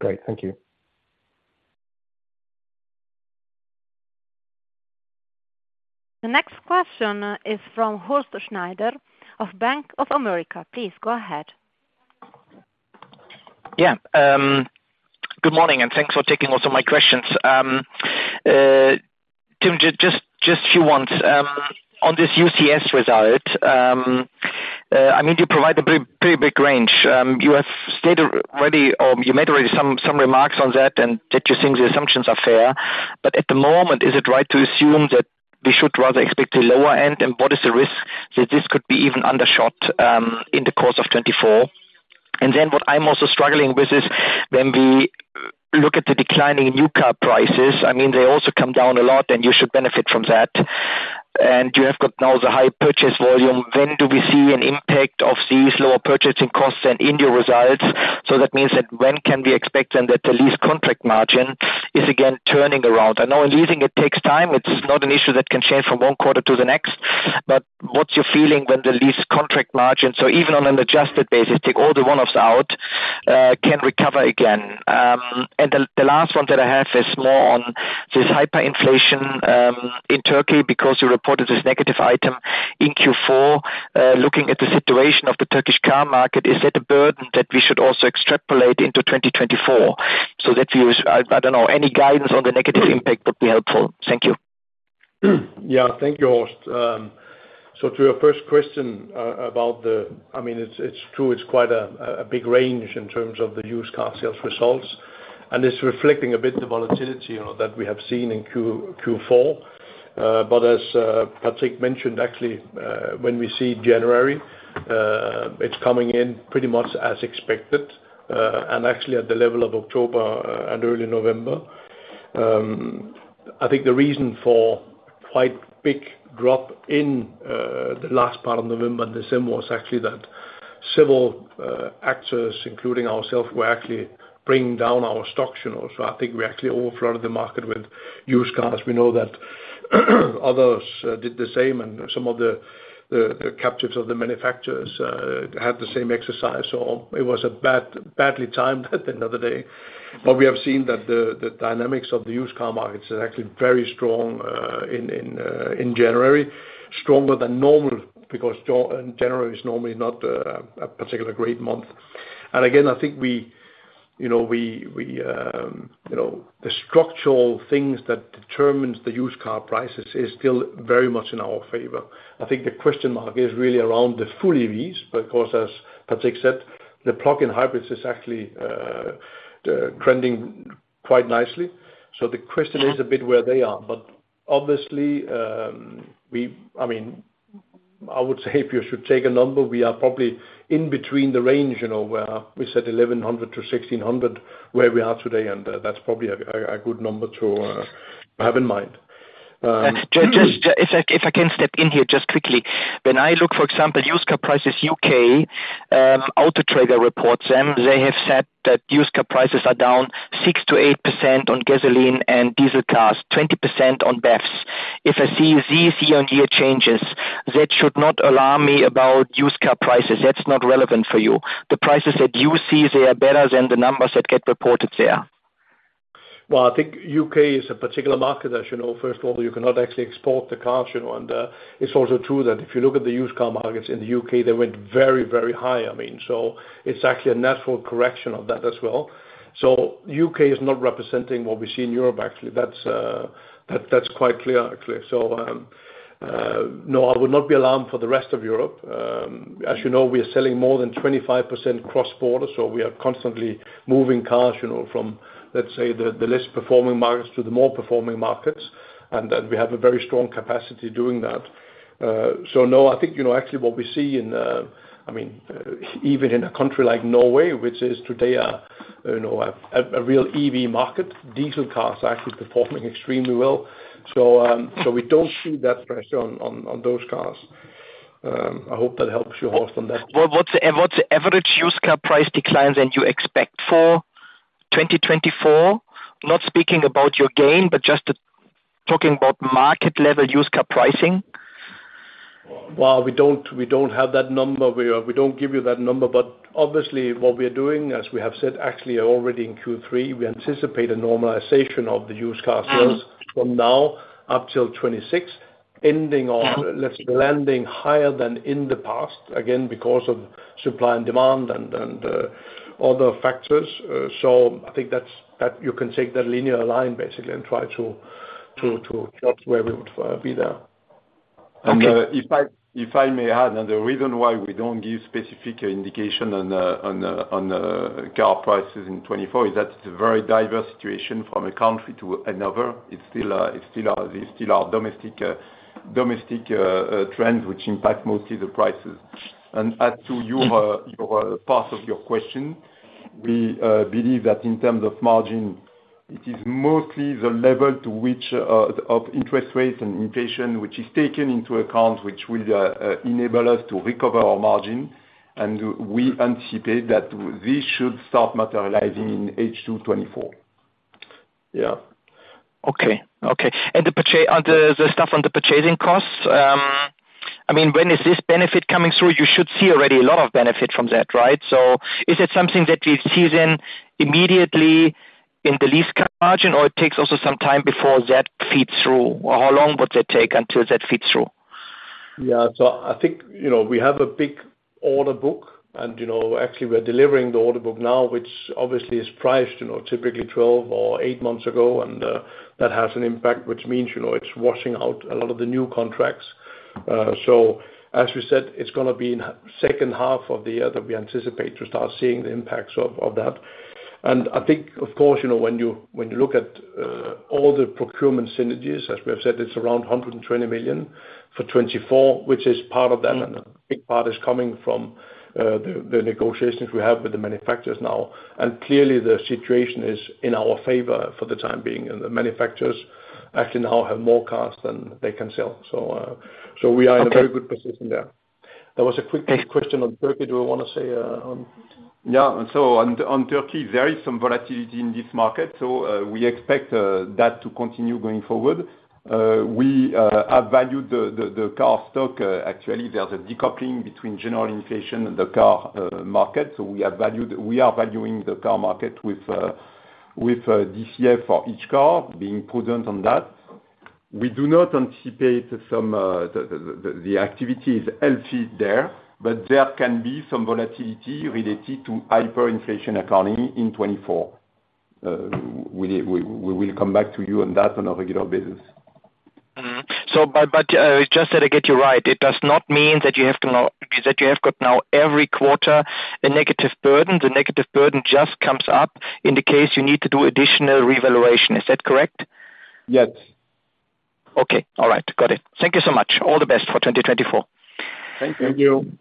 Great, thank you. The next question is from Horst Schneider of Bank of America. Please go ahead. Yeah, good morning, and thanks for taking also my questions. Tim, just a few ones. On this UCS result, I mean, you provide a pretty big range. You have stated already, or you made already some remarks on that, and that you think the assumptions are fair. But at the moment, is it right to assume that we should rather expect a lower end? And what is the risk that this could be even undershot in the course of 2024? And then what I'm also struggling with is when we look at the declining new car prices, I mean, they also come down a lot, and you should benefit from that. And you have got now the high purchase volume. When do we see an impact of these lower purchasing costs and in your results? So that means that when can we expect then that the lease contract margin is again turning around? I know in leasing it takes time. It's not an issue that can change from one quarter to the next, but what's your feeling when the lease contract margin, so even on an adjusted basis, take all the one-offs out, can recover again? And the last one that I have is more on this hyperinflation in Turkey, because you reported this negative item in Q4. Looking at the situation of the Turkish car market, is that a burden that we should also extrapolate into 2024? So that gives, I don't know, any guidance on the negative impact would be helpful. Thank you. Yeah, thank you, Horst. So to your first question, about the, I mean, it's true, it's quite a big range in terms of the used car sales results, and it's reflecting a bit the volatility, you know, that we have seen in Q4. But as Patrick mentioned, actually, when we see January, it's coming in pretty much as expected, and actually at the level of October, and early November. I think the reason for quite big drop in the last part of November and December was actually that several actors, including ourselves, were actually bringing down our stocks, you know, so I think we actually overflowed the market with used cars. We know that others did the same, and some of the captives of the manufacturers had the same exercise. So it was a bad, badly timed at the end of the day. But we have seen that the dynamics of the used car markets are actually very strong in January. Stronger than normal, because January is normally not a particular great month. And again, I think we, you know, the structural things that determines the used car prices is still very much in our favor. I think the question mark is really around the full EVs, because as Patrick said, the plug-in hybrids is actually trending quite nicely. So the question is a bit where they are. But obviously, I mean, I would say if you should take a number, we are probably in between the range, you know, where we said 1,100-1,600, where we are today, and that's probably a good number to have in mind. Just if I can step in here just quickly. When I look, for example, used car prices, U.K., Auto Trader reports them, they have said that used car prices are down 6%-8% on gasoline and diesel cars, 20% on BEVs. If I see these year-on-year changes, that should not alarm me about used car prices. That's not relevant for you. The prices that you see, they are better than the numbers that get reported there. Well, I think U.K. is a particular market, as you know. First of all, you cannot actually export the cars, you know, and it's also true that if you look at the used car markets in the U.K., they went very, very high, I mean. So it's actually a natural correction of that as well. So U.K. is not representing what we see in Europe, actually. That's, that, that's quite clear, actually. So, no, I would not be alarmed for the rest of Europe. As you know, we are selling more than 25% cross-border, so we are constantly moving cars, you know, from, let's say, the, the less performing markets to the more performing markets, and then we have a very strong capacity doing that. So, no, I think, you know, actually what we see in, I mean, even in a country like Norway, which is today, you know, a real EV market, diesel cars are actually performing extremely well, so, so we don't see that pressure on those cars. I hope that helps you, Horst, on that. Well, what's the average used car price declines that you expect for 2024? Not speaking about your gain, but just talking about market-level used car pricing. Well, we don't, we don't have that number. We, we don't give you that number, but obviously, what we are doing, as we have said, actually already in Q3, we anticipate a normalization of the used car sales from now up till 2026, ending on— Yeah. Residuals landing higher than in the past, again, because of supply and demand and other factors. So I think that's, that you can take that linear line, basically, and try to chart where we would be there. Okay. If I may add, and the reason why we don't give specific indication on car prices in 2024, is that it's a very diverse situation from a country to another. It's still, there's still our domestic trends, which impact mostly the prices. And add to your part of your question, we believe that in terms of margin, it is mostly the level to which of interest rates and inflation, which is taken into account, which will enable us to recover our margin, and we anticipate that this should start materializing in H2 2024. Yeah. Okay. Okay, and on the stuff on the purchasing costs, I mean, when is this benefit coming through? You should see already a lot of benefit from that, right? So is it something that we see then immediately in the lease car margin, or it takes also some time before that feeds through? Or how long would that take until that feeds through? Yeah. So I think, you know, we have a big order book, and, you know, actually we're delivering the order book now, which obviously is priced, you know, typically 12 or eight months ago, and that has an impact, which means, you know, it's washing out a lot of the new contracts. So as we said, it's gonna be in the second half of the year that we anticipate to start seeing the impacts of that. And I think, of course, you know, when you, when you look at all the procurement synergies, as we have said, it's around 120 million for 2024, which is part of that. And a big part is coming from the negotiations we have with the manufacturers now. Clearly, the situation is in our favor for the time being, and the manufacturers actually now have more cars than they can sell. So we are in— Okay A very good position there. There was a quick question on Turkey. Do you want to say, on? Yeah. So on Turkey, there is some volatility in this market, so we expect that to continue going forward. We have valued the car stock. Actually, there's a decoupling between general inflation and the car market, so we are valuing the car market with DCF for each car, being prudent on that. We do not anticipate. The activity is healthy there, but there can be some volatility related to hyperinflation accounting in 2024. We will come back to you on that on a regular basis. Mm-hmm. So, but, but, just that I get you right, it does not mean that you have to now, that you have got now every quarter a negative burden, the negative burden just comes up in the case you need to do additional revaluation. Is that correct? Yes. Okay, all right. Got it. Thank you so much. All the best for 2024. Thank you. Thank you.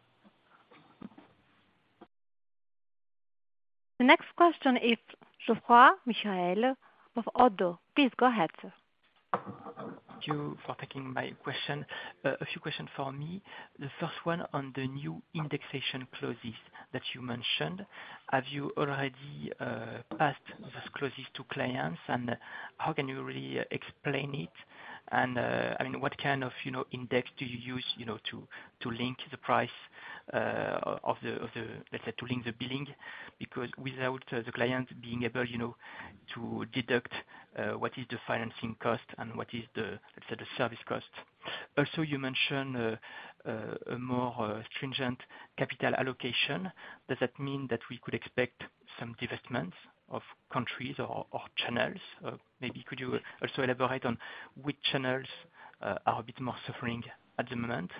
The next question is Geoffroy Michalet with Oddo. Please go ahead, sir. Thank you for taking my question. A few questions for me. The first one on the new indexation clauses that you mentioned, have you already phased those clauses to clients, and how can you really explain it? And, I mean, what kind of, you know, index do you use, you know, to, to link the price of the, of the, let's say, to link the billing? Because without the client being able, you know, to deduct what is the financing cost and what is the, let's say, the service cost. Also, you mentioned a more stringent capital allocation. Does that mean that we could expect some divestments of countries or, or channels? Maybe could you also elaborate on which channels are a bit more suffering at the moment?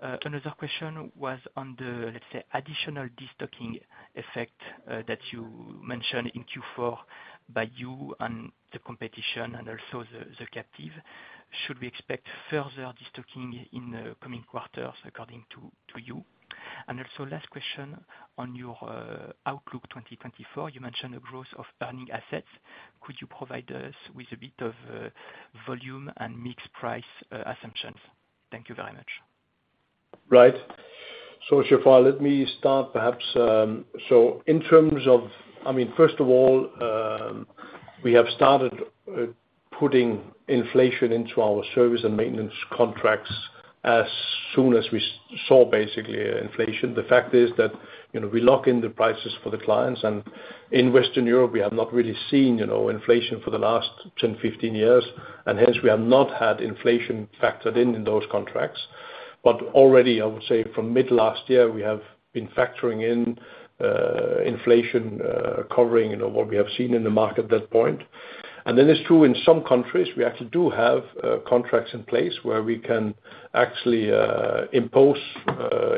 Another question was on the, let's say, additional destocking effect that you mentioned in Q4 by you and the competition, and also the captive. Should we expect further destocking in the coming quarters, according to you? And also last question on your outlook 2024, you mentioned a growth of earning assets. Could you provide us with a bit of volume and mixed price assumptions? Thank you very much. Right. So Geoffroy, let me start perhaps, so I mean, first of all, we have started putting inflation into our service and maintenance contracts as soon as we saw, basically, inflation. The fact is that, you know, we lock in the prices for the clients, and in Western Europe, we have not really seen, you know, inflation for the last 10, 15 years, and hence we have not had inflation factored in in those contracts. But already, I would say from mid-last year, we have been factoring in inflation covering, you know, what we have seen in the market at that point. And then it's true in some countries, we actually do have contracts in place where we can actually impose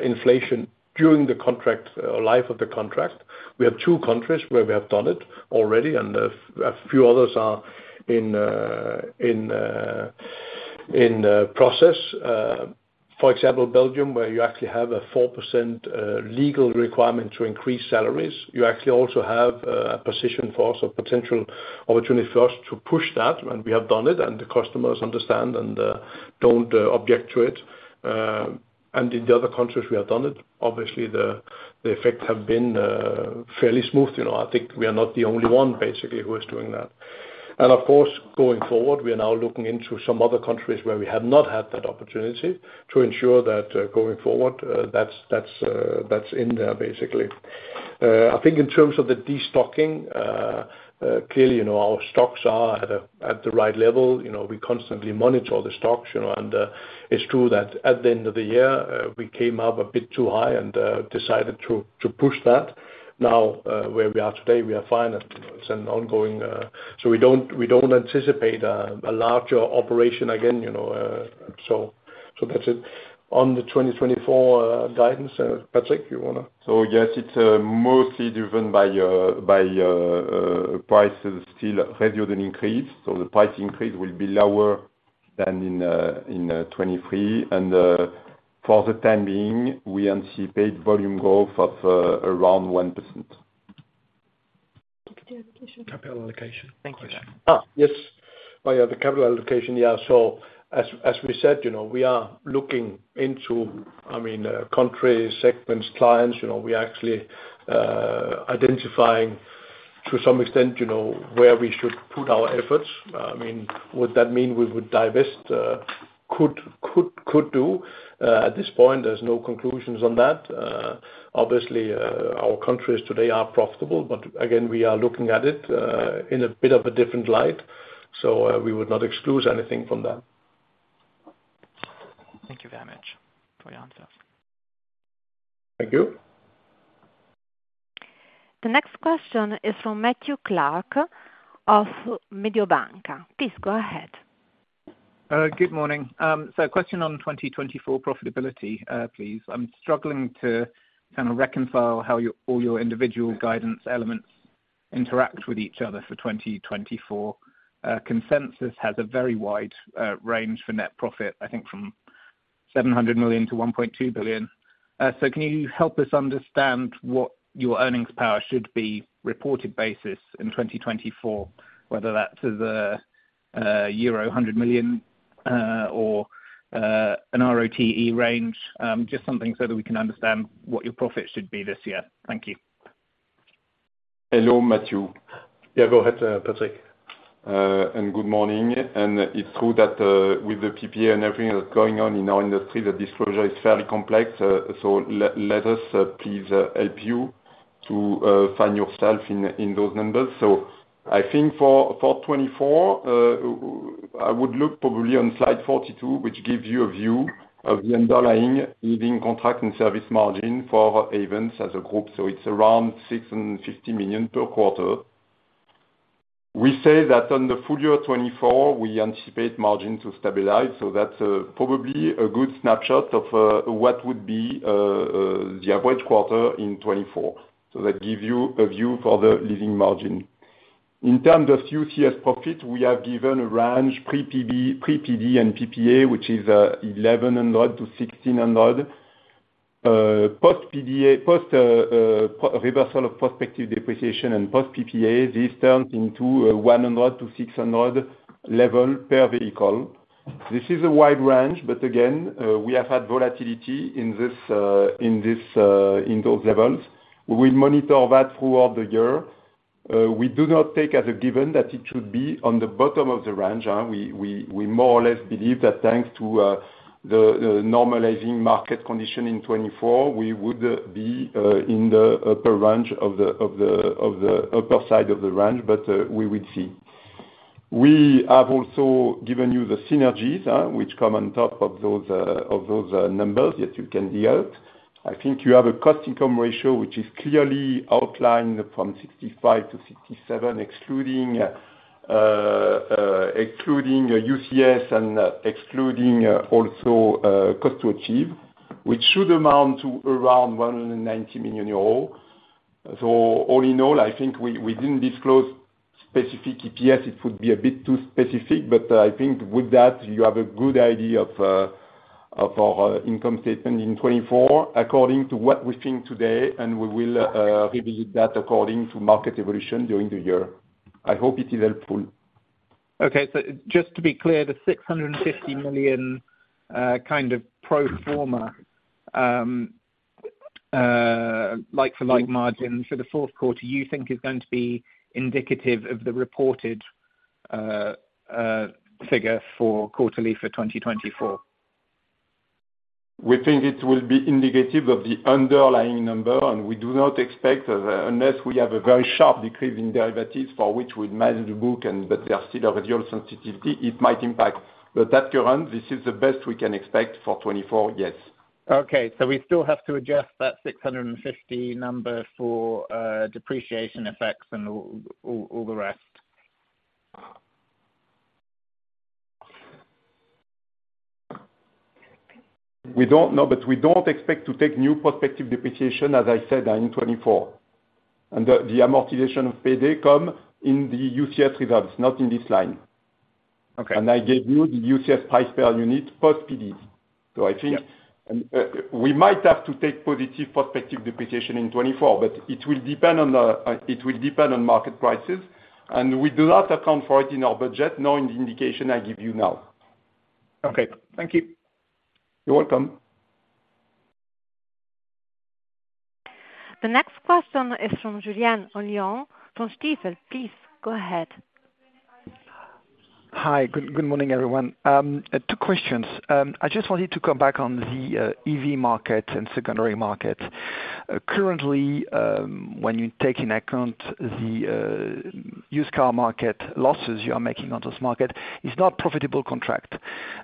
inflation during the contract or life of the contract. We have two countries where we have done it already, and a few others are in the process. For example, Belgium, where you actually have a 4% legal requirement to increase salaries, you actually also have a position for us, a potential opportunity for us to push that, and we have done it, and the customers understand and don't object to it. And in the other countries, we have done it. Obviously, the effects have been fairly smooth, you know. I think we are not the only one, basically, who is doing that. And of course, going forward, we are now looking into some other countries where we have not had that opportunity, to ensure that, going forward, that's in there, basically. I think in terms of the destocking, clearly, you know, our stocks are at the right level. You know, we constantly monitor the stocks, you know, and it's true that at the end of the year, we came up a bit too high and decided to push that. Now, where we are today, we are fine, and you know, it's an ongoing. So we don't anticipate a larger operation again, you know, so that's it. On the 2024 guidance, Patrick, you wanna? So yes, it's mostly driven by prices still rather than increased, so the price increase will be lower than in 2023, and for the time being, we anticipate volume growth of around 1%. Capital allocation? Capital allocation. Thank you. Ah, yes. By the capital allocation, yeah. So as, as we said, you know, we are looking into, I mean, country, segments, clients, you know, we actually, identifying to some extent, you know, where we should put our efforts. I mean, would that mean we would divest? Could, could, could do. At this point, there's no conclusions on that. Obviously, our countries today are profitable, but again, we are looking at it, in a bit of a different light, so, we would not exclude anything from that. Thank you very much for your answers. Thank you. The next question is from Matthew Clark of Mediobanca. Please go ahead. Good morning. So a question on 2024 profitability, please. I'm struggling to kind of reconcile how your, all your individual guidance elements interact with each other for 2024. Consensus has a very wide range for net profit, I think from 700 million to 1.2 billion. So can you help us understand what your earnings power should be, reported basis, in 2024, whether that's as a euro 100 million or an ROTE range? Just something so that we can understand what your profits should be this year. Thank you. Hello, Matthew. Yeah, go ahead, Patrick. Good morning. It's true that, with the PPA and everything that's going on in our industry, the disclosure is fairly complex. So let us please help you to find yourself in those numbers. So I think for 2024, I would look probably on slide 42, which gives you a view of the underlying leasing contract and service margin for Ayvens as a group, so it's around 650 million per quarter. We say that on the full year 2024, we anticipate margin to stabilize, so that's probably a good snapshot of what would be the average quarter in 2024. So that give you a view for the leasing margin. In terms of UCS profit, we have given a range pre-PD and PPA, which is 1,100-1,600. Post-PD, post reversal of prospective depreciation and post PPA, this turns into 100-600 level per vehicle. This is a wide range, but again, we have had volatility in this, in those levels. We will monitor that throughout the year. We do not take as a given that it should be on the bottom of the range. We more or less believe that thanks to the normalizing market condition in 2024, we would be in the upper range of the upper side of the range, but we will see. We have also given you the synergies which come on top of those numbers that you can deal. I think you have a cost-income ratio, which is clearly outlined from 65%-67%, excluding UCS and excluding also cost to achieve, which should amount to around 190 million euros. So all in all, I think we, we didn't disclose specific EPS, it would be a bit too specific, but, I think with that, you have a good idea of our income statement in 2024, according to what we think today, and we will review that according to market evolution during the year. I hope it is helpful. Okay. So just to be clear, the 650 million, kind of pro forma, like, for like margins for the fourth quarter, you think is going to be indicative of the reported figure for quarterly for 2024? We think it will be indicative of the underlying number, and we do not expect, unless we have a very sharp decrease in derivatives for which we manage the book and, but there are still a real sensitivity, it might impact. But at current, this is the best we can expect for 2024, yes. Okay, so we still have to adjust that 650 number for depreciation effects and all the rest. We don't know, but we don't expect to take new prospective depreciation, as I said, in 2024. And the amortization of PPA come in the UCS results, not in this line. Okay. I gave you the UCS price per unit, post PDs. So I think- Yeah. We might have to take positive prospective depreciation in 2024, but it will depend on market prices, and we do not account for it in our budget, nor in the indication I give you now. Okay. Thank you. You're welcome. The next question is from Julien Aulion from Stifel. Please, go ahead. Hi, good morning, everyone. Two questions. I just wanted to come back on the EV market and secondary market. Currently, when you take in account the used car market losses you are making on this market, it's not profitable contract.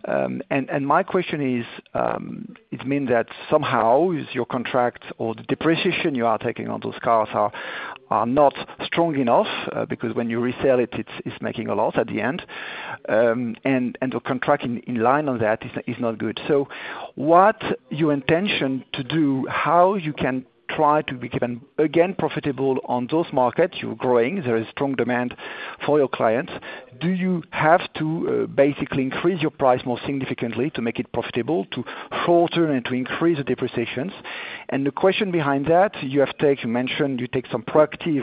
And my question is, it means that somehow your contract or the depreciation you are taking on those cars are not strong enough because when you resell it, it's making a loss at the end. And the contract in line on that is not good. So what's your intention to do, how you can try to become again profitable on those markets? You're growing. There is strong demand for your clients. Do you have to basically increase your price more significantly to make it profitable, to factor and to increase the depreciations? The question behind that, you have taken—you mentioned you take some proactive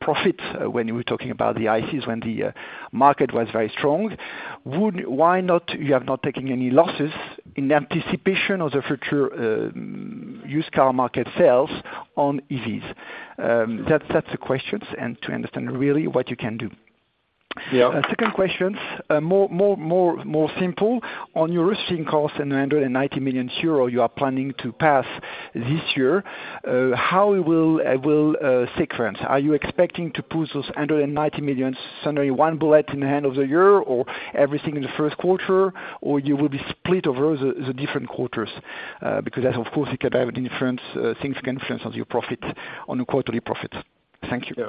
profits, when you were talking about the ICEs, when the market was very strong. Would—Why not you have not taken any losses in anticipation of the future used car market sales on EVs? That, that's the questions, and to understand really what you can do. Yeah. Second question, more simple. On your restructuring costs, in the 190 million euro you are planning to pass this year, how it will sequence? Are you expecting to put those 190 million suddenly one bullet in the end of the year, or everything in the first quarter, or you will be split over the different quarters? Because that, of course, it can have a difference, things can influence on your profit, on a quarterly profit. Thank you.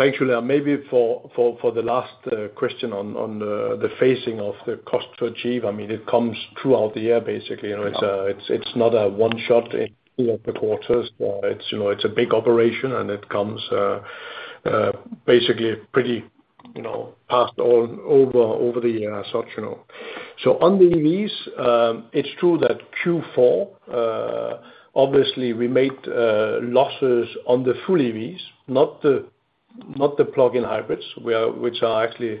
Yeah. Thank you, Leah. Maybe for the last question on the phasing of the Cost to Achieve, I mean, it comes throughout the year, basically. You know, it's not a one shot in any of the quarters. You know, it's a big operation, and it comes basically pretty passed all over the year as such, you know. So on the EVs, it's true that Q4 obviously, we made losses on the full EVs, not the plug-in hybrids, which are actually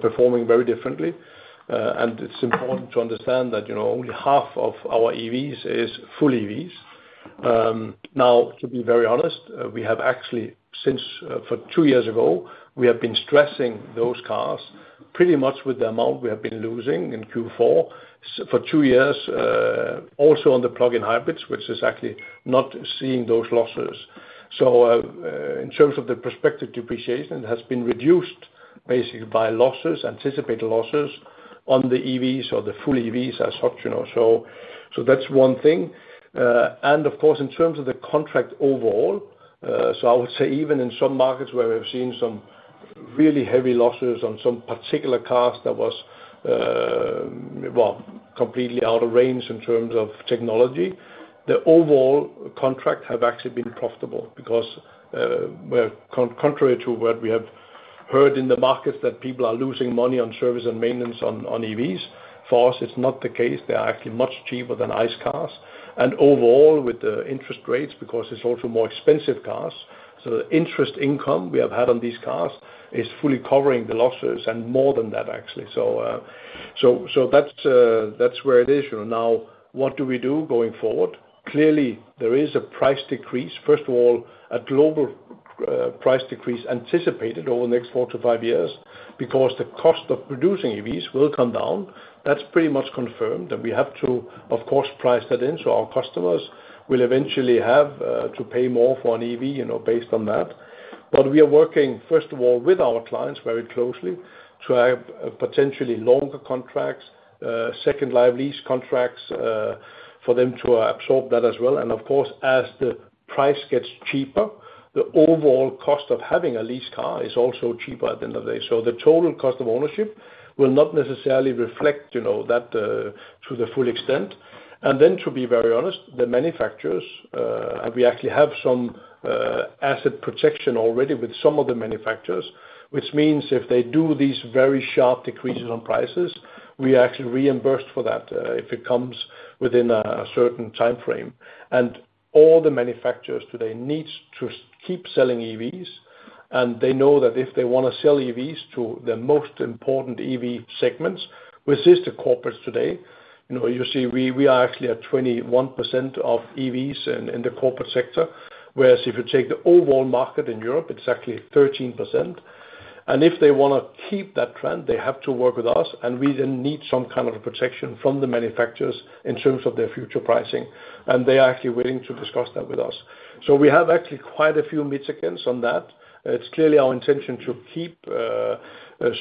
performing very differently. And it's important to understand that, you know, only half of our EVs is full EVs. Now, to be very honest, we have actually, since for two years ago, we have been stressing those cars pretty much with the amount we have been losing in Q4 for two years, also on the plug-in hybrids, which is actually not seeing those losses. So, in terms of the prospective depreciation, it has been reduced basically by losses, anticipated losses, on the EVs or the full EVs as such, you know, so, so that's one thing. And of course, in terms of the contract overall, so I would say even in some markets where we've seen some really heavy losses on some particular cars, that was, well, completely out of range in terms of technology, the overall contract have actually been profitable. Because, well, contrary to what we have heard in the market, that people are losing money on service and maintenance on EVs, for us, it's not the case. They are actually much cheaper than ICE cars. And overall, with the interest rates, because it's also more expensive cars, so the interest income we have had on these cars is fully covering the losses and more than that, actually. So, that's where it is, you know. Now, what do we do going forward? Clearly, there is a price decrease, first of all, a global price decrease anticipated over the next 4-5 years, because the cost of producing EVs will come down. That's pretty much confirmed, that we have to, of course, price that in, so our customers will eventually have to pay more for an EV, you know, based on that. But we are working, first of all, with our clients very closely, to have potentially longer contracts, second life lease contracts, for them to absorb that as well. And of course, as the price gets cheaper, the overall cost of having a leased car is also cheaper at the end of the day. So the total cost of ownership will not necessarily reflect, you know, that to the full extent. And then, to be very honest, the manufacturers and we actually have some asset protection already with some of the manufacturers, which means if they do these very sharp decreases on prices We are actually reimbursed for that, if it comes within a certain time frame. And all the manufacturers today needs to keep selling EVs, and they know that if they want to sell EVs to the most important EV segments, which is the corporates today, you know, you see, we are actually at 21% of EVs in the corporate sector. Whereas if you take the overall market in Europe, it's actually 13%. And if they wanna keep that trend, they have to work with us, and we then need some kind of protection from the manufacturers in terms of their future pricing, and they are actually willing to discuss that with us. So we have actually quite a few mitigants on that. It's clearly our intention to keep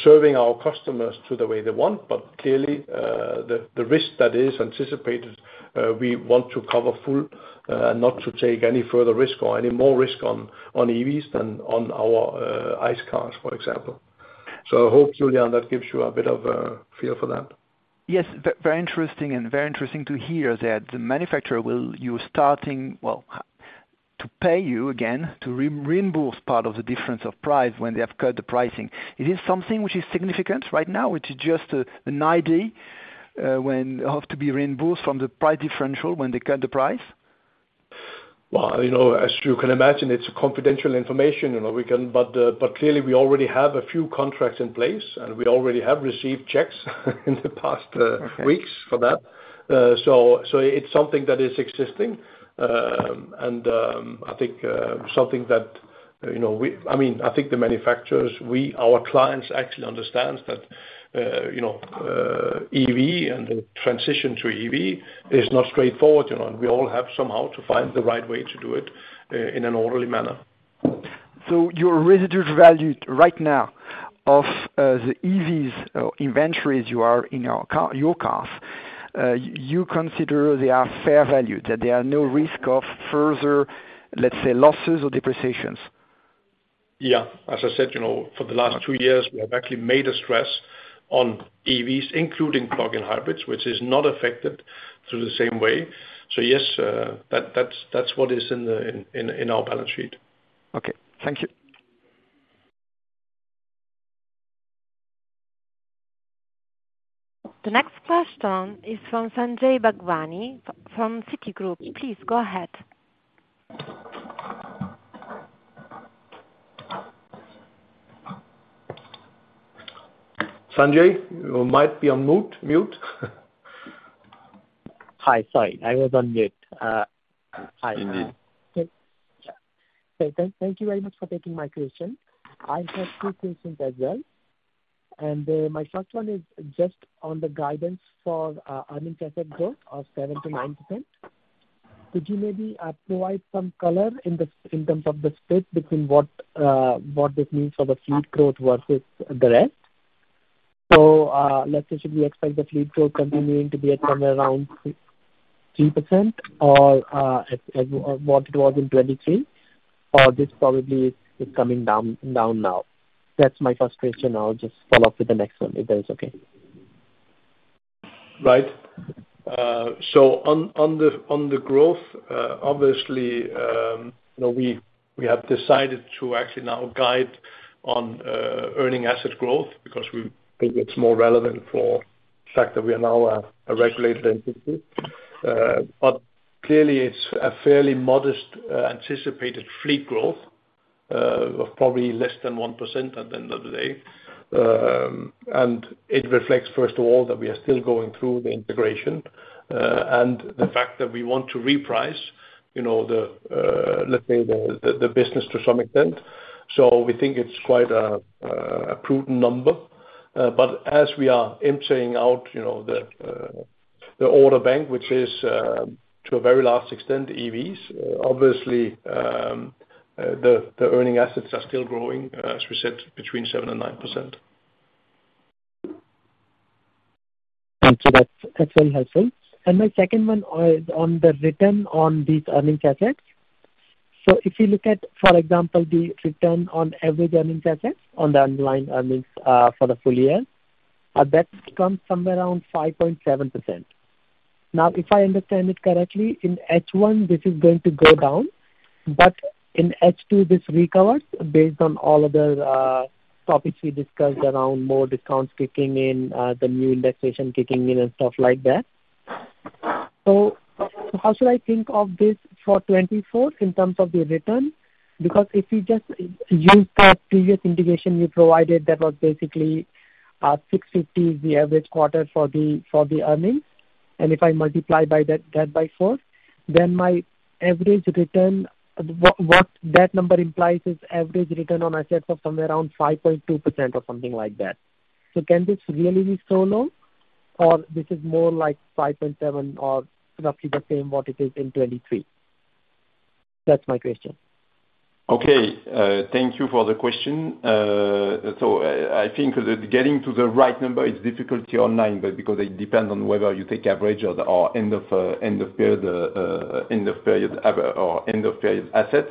serving our customers to the way they want, but clearly, the risk that is anticipated, we want to cover full, not to take any further risk or any more risk on EVs than on our ICE cars, for example. So I hope, Julien, that gives you a bit of a feel for that. Yes, very interesting, and very interesting to hear that the manufacturer will you starting well, to pay you again to reimburse part of the difference of price when they have cut the pricing. It is something which is significant right now, which is just, an idea, when have to be reimbursed from the price differential when they cut the price? Well, you know, as you can imagine, it's confidential information, you know. We clearly already have a few contracts in place, and we already have received checks in the past. Okay Weeks for that. So it's something that is existing. I think something that, you know, we—I mean, I think the manufacturers, we, our clients actually understands that, you know, EV and the transition to EV is not straightforward, you know, and we all have somehow to find the right way to do it in an orderly manner. So your residual value right now of the EVs inventories you are in your cars you consider they are fair valued, that there are no risk of further, let's say, losses or depreciations? Yeah. As I said, you know, for the last two years, we have actually made a stress on EVs, including plug-in hybrids, which is not affected through the same way. So yes, that's what is in our balance sheet. Okay. Thank you. The next question is from Sanjay Bhagwani from Citigroup. Please go ahead. Sanjay, you might be on mute, mute. Hi. Sorry, I was on mute. Hi. Indeed. Thank you very much for taking my question. I have two questions as well. My first one is just on the guidance for earning asset growth of 7%-9%. Could you maybe provide some color in terms of the split between what this means for the fleet growth versus the rest? So, let's say, should we expect the fleet growth continuing to be at somewhere around 3% or at what it was in 2023, or this probably is coming down now? That's my first question. I'll just follow up with the next one, if that is okay. Right. So on the growth, obviously, you know, we have decided to actually now guide on earning assets growth because we think it's more relevant for the fact that we are now a regulated entity. But clearly, it's a fairly modest anticipated fleet growth of probably less than 1% at the end of the day. And it reflects, first of all, that we are still going through the integration and the fact that we want to reprice, you know, the, let's say the business to some extent. So we think it's quite a prudent number. But as we are entering out, you know, the order bank, which is to a very large extent EVs, obviously the earning assets are still growing, as we said, between 7% and 9%. Thank you. That's, that's very helpful. And my second one is on the return on these earning assets. So if you look at, for example, the return on average earning assets, on the underlying earnings, for the full year, that comes somewhere around 5.7%. Now, if I understand it correctly, in H1, this is going to go down, but in H2, this recovers based on all of the topics we discussed around more discounts kicking in, the new legislation kicking in and stuff like that. So how should I think of this for 2024 in terms of the return? Because if you just use the previous integration you provided, that was basically 6.50 is the average quarter for the earnings. If I multiply by that, that by four, then my average return, what, what that number implies is average return on assets of somewhere around 5.2% or something like that. Can this really be so low, or this is more like 5.7 or roughly the same what it is in 2023? That's my question. Okay, thank you for the question. So I think that getting to the right number is difficult year-on-year, but because it depends on whether you take average or end of period assets.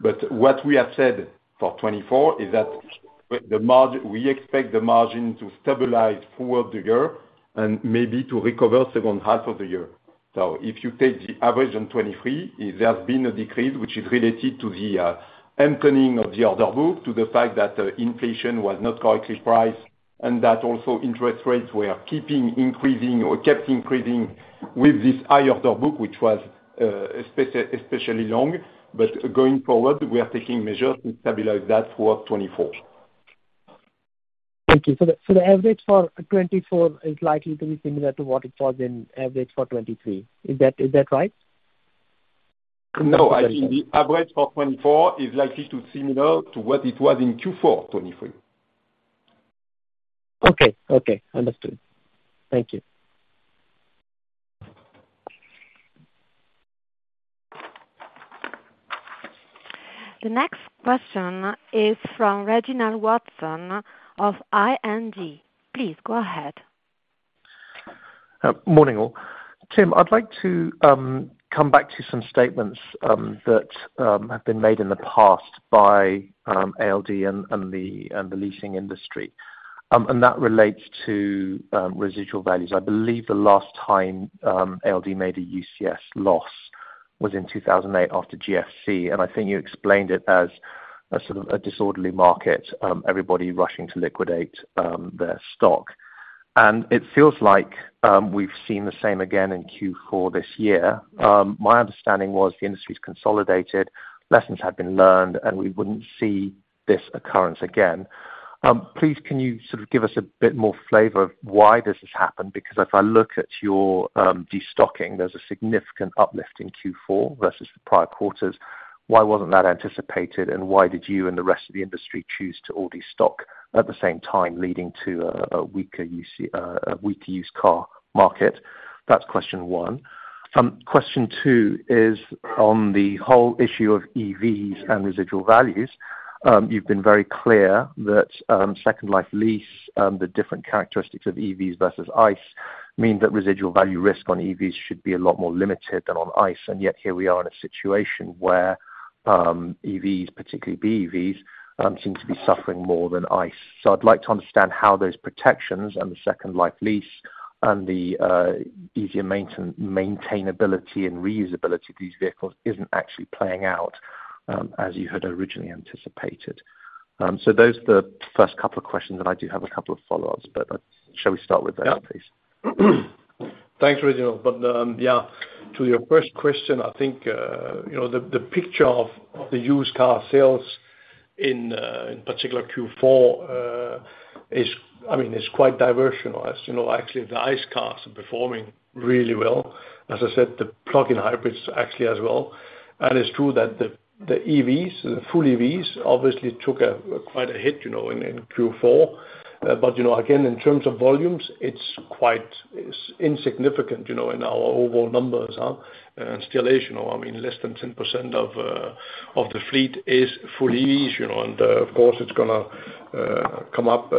But what we have said for 2024 is that we expect the margin to stabilize throughout the year and maybe to recover second half of the year. So if you take the average on 2023, there has been a decrease, which is related to the emptying of the order book, to the fact that inflation was not correctly priced, and that also interest rates were keeping increasing or kept increasing with this high order book, which was especially long. But going forward, we are taking measures to stabilize that for 2024. Thank you. So the average for 2024 is likely to be similar to what it was in average for 2023. Is that right? No, I think the average for 2024 is likely to similar to what it was in Q4 2023. Okay. Okay, understood. Thank you. The next question is from Reginald Watson of ING. Please go ahead. Morning, all. Tim, I'd like to come back to some statements that have been made in the past by ALD and the leasing industry. And that relates to residual values. I believe the last time ALD made a UCS loss was in 2008 after GFC, and I think you explained it as a sort of a disorderly market, everybody rushing to liquidate their stock. And it feels like we've seen the same again in Q4 this year. My understanding was the industry's consolidated, lessons had been learned, and we wouldn't see this occurrence again. Please, can you sort of give us a bit more flavor of why this has happened? Because if I look at your destocking, there's a significant uplift in Q4 versus the prior quarters. Why wasn't that anticipated? And why did you and the rest of the industry choose to all destock at the same time, leading to a weaker UC, weaker used car market? That's question one. Question two is on the whole issue of EVs and residual values. You've been very clear that second life lease, the different characteristics of EVs versus ICE, mean that residual value risk on EVs should be a lot more limited than on ICE. And yet here we are in a situation where EVs, particularly BEVs, seem to be suffering more than ICE. So I'd like to understand how those protections and the second life lease and the easier maintainability and reusability of these vehicles isn't actually playing out as you had originally anticipated. Those are the first couple of questions, and I do have a couple of follow-ups, but shall we start with that, please? Thanks, Reginald. But yeah, to your first question, I think you know, the picture of the used car sales in particular Q4 is, I mean, quite diverse, as you know, actually, the ICE cars are performing really well. As I said, the plug-in hybrids actually as well. And it's true that the EVs, the full EVs, obviously took quite a hit, you know, in Q4. But you know, again, in terms of volumes, it's quite insignificant, you know, in our overall numbers, and still is, you know, I mean, less than 10% of the fleet is full EVs, you know, and of course, it's gonna come up.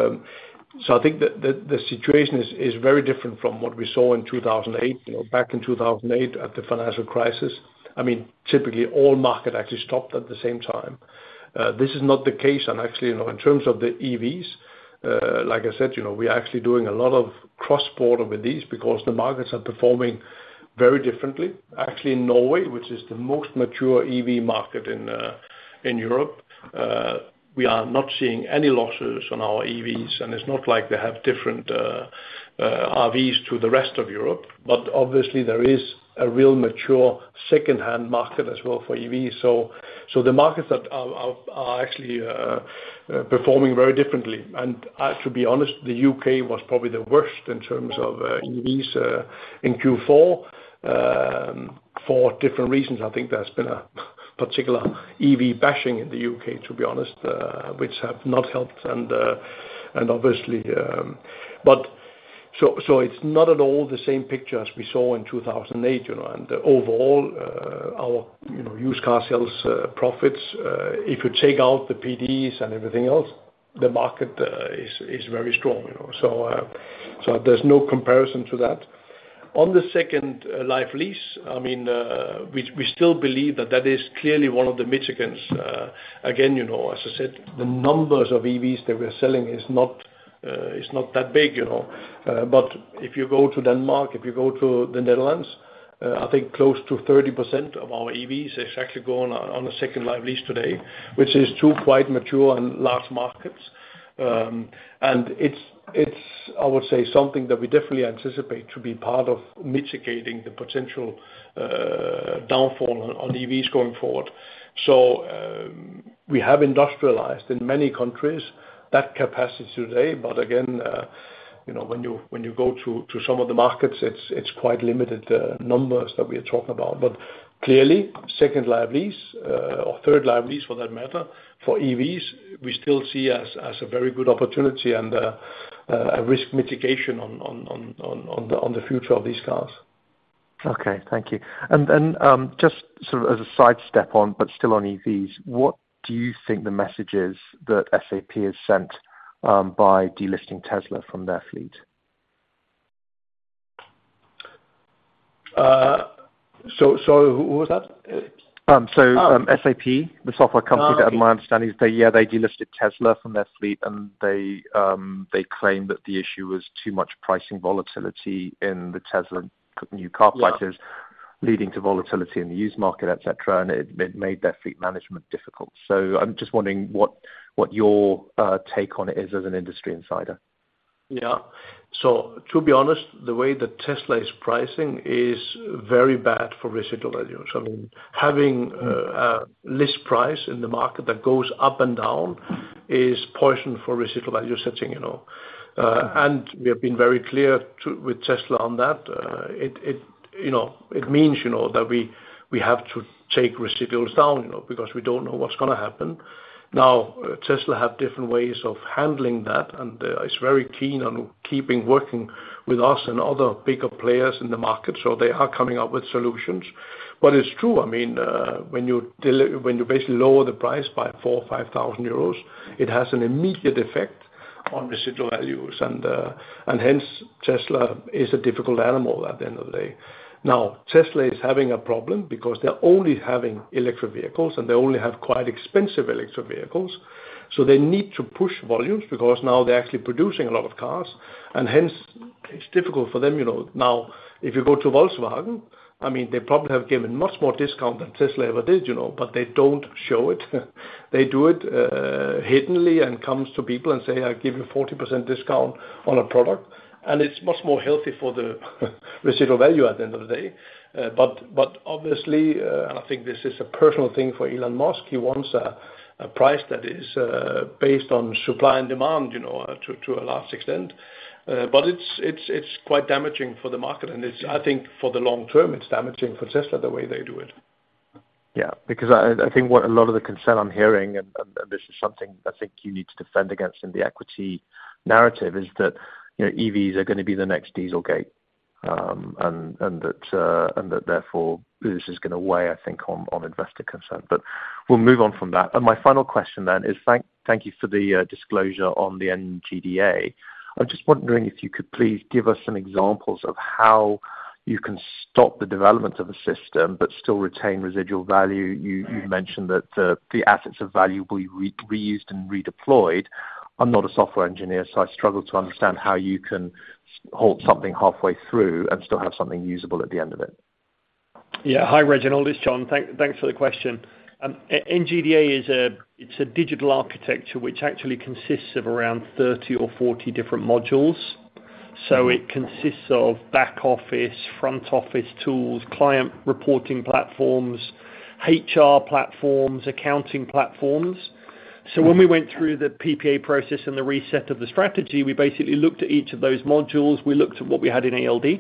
So I think the situation is very different from what we saw in 2008, you know, back in 2008 at the financial crisis. I mean, typically all markets actually stopped at the same time. This is not the case. Actually, you know, in terms of the EVs, like I said, you know, we are actually doing a lot of cross-border with these because the markets are performing very differently. Actually, in Norway, which is the most mature EV market in Europe, we are not seeing any losses on our EVs, and it's not like they have different RVs to the rest of Europe, but obviously, there is a real mature secondhand market as well for EVs. So the markets that are actually performing very differently. And I should be honest, the U.K. was probably the worst in terms of EVs in Q4 for different reasons. I think there's been a particular EV bashing in the U.K., to be honest, which have not helped and, and obviousl, but so, so it's not at all the same picture as we saw in 2008, you know, and overall, our, you know, used car sales profits, if you take out the PDs and everything else, the market is, is very strong, you know? So, so there's no comparison to that. On the second life lease, I mean, we, we still believe that that is clearly one of the mitigants. Again, you know, as I said, the numbers of EVs that we're selling is not, is not that big, you know. But if you go to Denmark, if you go to the Netherlands, I think close to 30% of our EVs is actually going on, on a second life lease today, which is two quite mature and large markets. And it's, it's, I would say, something that we definitely anticipate to be part of mitigating the potential, downfall on EVs going forward. So, we have industrialized in many countries that capacity today, but again, you know, when you, when you go to, to some of the markets, it's, it's quite limited, numbers that we are talking about. But clearly, second life lease, or third life lease for that matter, for EVs, we still see as, as a very good opportunity and, a risk mitigation on, on, on, on, on the, on the future of these cars. Okay. Thank you. And then, just sort of as a side step on, but still on EVs, what do you think the message is that SAP has sent, by delisting Tesla from their fleet? So, who was that? SAP, the software company, to my understanding, is they, yeah, they delisted Tesla from their fleet, and they, they claimed that the issue was too much pricing volatility in the Tesla new car prices. Yeah Leading to volatility in the used market, et cetera, and it made their fleet management difficult. So I'm just wondering what your take on it is as an industry insider. Yeah. So to be honest, the way that Tesla is pricing is very bad for residual values. I mean, having a list price in the market that goes up and down is poison for residual value setting, you know. And we have been very clear to, with Tesla on that. It means, you know, that we have to take residuals down, you know, because we don't know what's gonna happen. Now, Tesla have different ways of handling that, and is very keen on keeping working with us and other bigger players in the market, so they are coming up with solutions. But it's true, I mean, when you basically lower the price by 4,000-5,000 euros, it has an immediate effect on residual values, and, and hence, Tesla is a difficult animal at the end of the day. Now, Tesla is having a problem because they're only having electric vehicles, and they only have quite expensive electric vehicles. So they need to push volumes because now they're actually producing a lot of cars, and hence, it's difficult for them, you know? Now, if you go to Volkswagen, I mean, they probably have given much more discount than Tesla ever did, you know, but they don't show it. They do it, hiddenly and comes to people and say, "I give you 40% discount on a product." And it's much more healthy for the residual value at the end of the day. But obviously, and I think this is a personal thing for Elon Musk, he wants a price that is based on supply and demand, you know, to a large extent. But it's quite damaging for the market, and it's, I think for the long term, it's damaging for Tesla, the way they do it. Yeah, because I think what a lot of the concern I'm hearing, and this is something I think you need to defend against in the equity narrative, is that, you know, EVs are gonna be the next Dieselgate, and that therefore, this is gonna weigh, I think, on investor concern. But we'll move on from that. And my final question then is thank you for the disclosure on the NGDA. I'm just wondering if you could please give us some examples of how you can stop the development of a system but still retain residual value. You mentioned that the assets of value will be re-used and redeployed. I'm not a software engineer, so I struggle to understand how you can halt something halfway through and still have something usable at the end of it. Yeah. Hi, Reginald, it's John. Thanks for the question. NGDA is, it's a digital architecture which actually consists of around 30 or 40 different modules. So it consists of back office, front office tools, client reporting platforms, HR platforms, accounting platforms. So when we went through the PPA process and the reset of the strategy, we basically looked at each of those modules. We looked at what we had in ALD,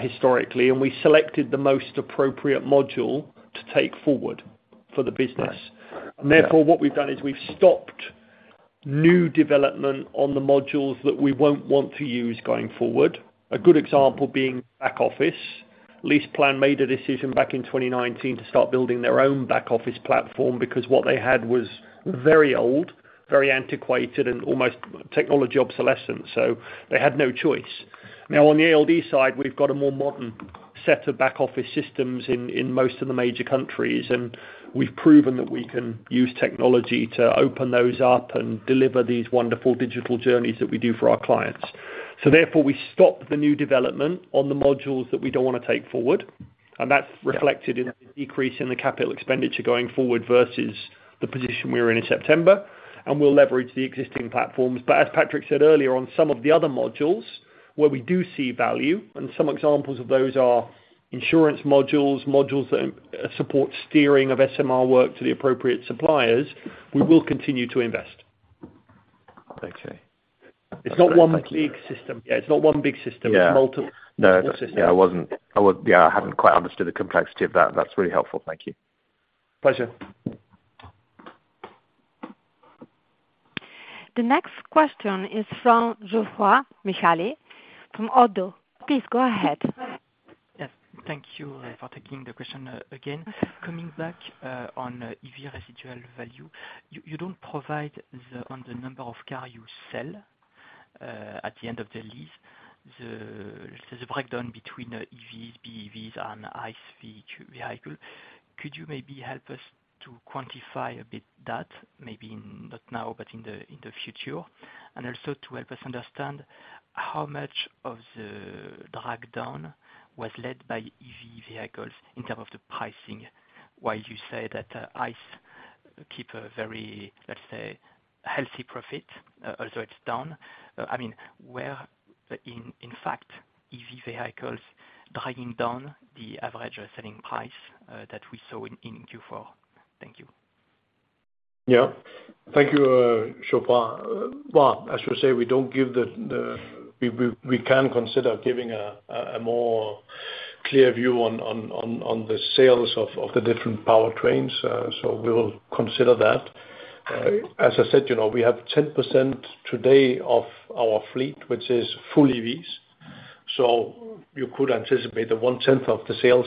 historically, and we selected the most appropriate module to take forward for the business. Right. Therefore, what we've done is we've stopped new development on the modules that we won't want to use going forward, a good example being back office. LeasePlan made a decision back in 2019 to start building their own back office platform because what they had was very old, very antiquated, and almost technology obsolescent, so they had no choice. Now, on the ALD side, we've got a more modern set of back office systems in most of the major countries, and we've proven that we can use technology to open those up and deliver these wonderful digital journeys that we do for our clients. Therefore, we stopped the new development on the modules that we don't wanna take forward, and that's reflected in the decrease in the capital expenditure going forward versus the position we were in in September, and we'll leverage the existing platforms. But as Patrick said earlier, on some of the other modules where we do see value, and some examples of those are insurance modules, modules that support steering of SMR work to the appropriate suppliers, we will continue to invest. Thank you. It's not one big system. Yeah, it's not one big system. Yeah It's multiple systems. No, yeah, yeah, I haven't quite understood the complexity of that. That's really helpful. Thank you. Pleasure. The next question is from Geoffroy Michalet from Oddo. Please go ahead. Yes, thank you for taking the question again. Coming back on EV residual value, you don't provide the number of cars you sell at the end of the lease, the breakdown between EVs, BEVs and ICE vehicle. Could you maybe help us to quantify a bit that, maybe not now, but in the future? And also, to help us understand how much of the drag down was led by EV vehicles in terms of the pricing, while you say that ICE keep a very, let's say, healthy profit, although it's down. I mean, where in fact EV vehicles driving down the average selling price that we saw in Q4? Thank you. Yeah. Thank you, Geoffroy. Well, I should say we don't give the we can consider giving a more clear view on the sales of the different powertrains, so we will consider that. As I said, you know, we have 10% today of our fleet, which is full EVs, so you could anticipate that one tenth of the sales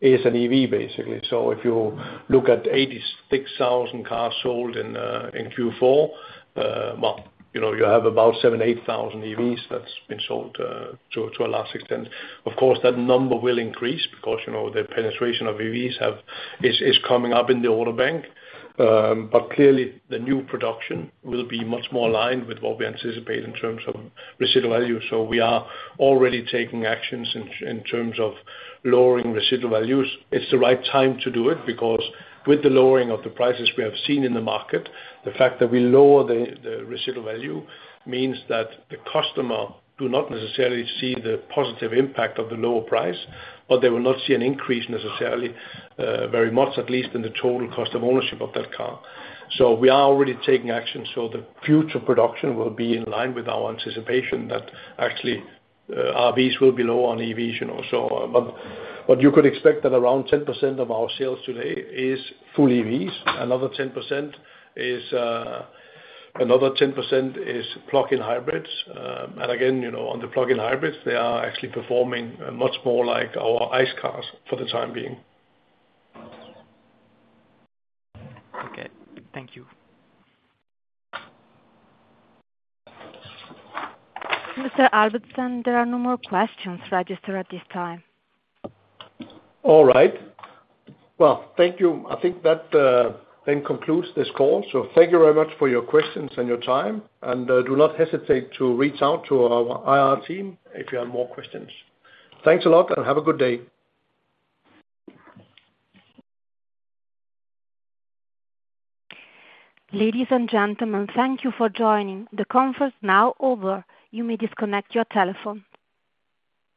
is an EV, basically. So if you look at 86,000 cars sold in Q4, well, you know, you have about 7,000-8,000 EVs that's been sold to a large extent. Of course, that number will increase because, you know, the penetration of EVs is coming up in the order bank. But clearly, the new production will be much more aligned with what we anticipate in terms of residual value, so we are already taking actions in terms of lowering residual values. It's the right time to do it because with the lowering of the prices we have seen in the market, the fact that we lower the residual value means that the customer do not necessarily see the positive impact of the lower price, but they will not see an increase necessarily very much, at least in the total cost of ownership of that car. So we are already taking action, so the future production will be in line with our anticipation that actually RVs will be low on EVs, you know, so. But you could expect that around 10% of our sales today is full EVs. Another 10% is another 10% plug-in hybrids. And again, you know, on the plug-in hybrids, they are actually performing much more like our ICE cars for the time being. Okay. Thank you. Mr. Albertsen, there are no more questions registered at this time. All right. Well, thank you. I think that, then concludes this call, so thank you very much for your questions and your time, and, do not hesitate to reach out to our IR team if you have more questions. Thanks a lot, and have a good day. Ladies and gentlemen, thank you for joining. The conference is now over. You may disconnect your telephone.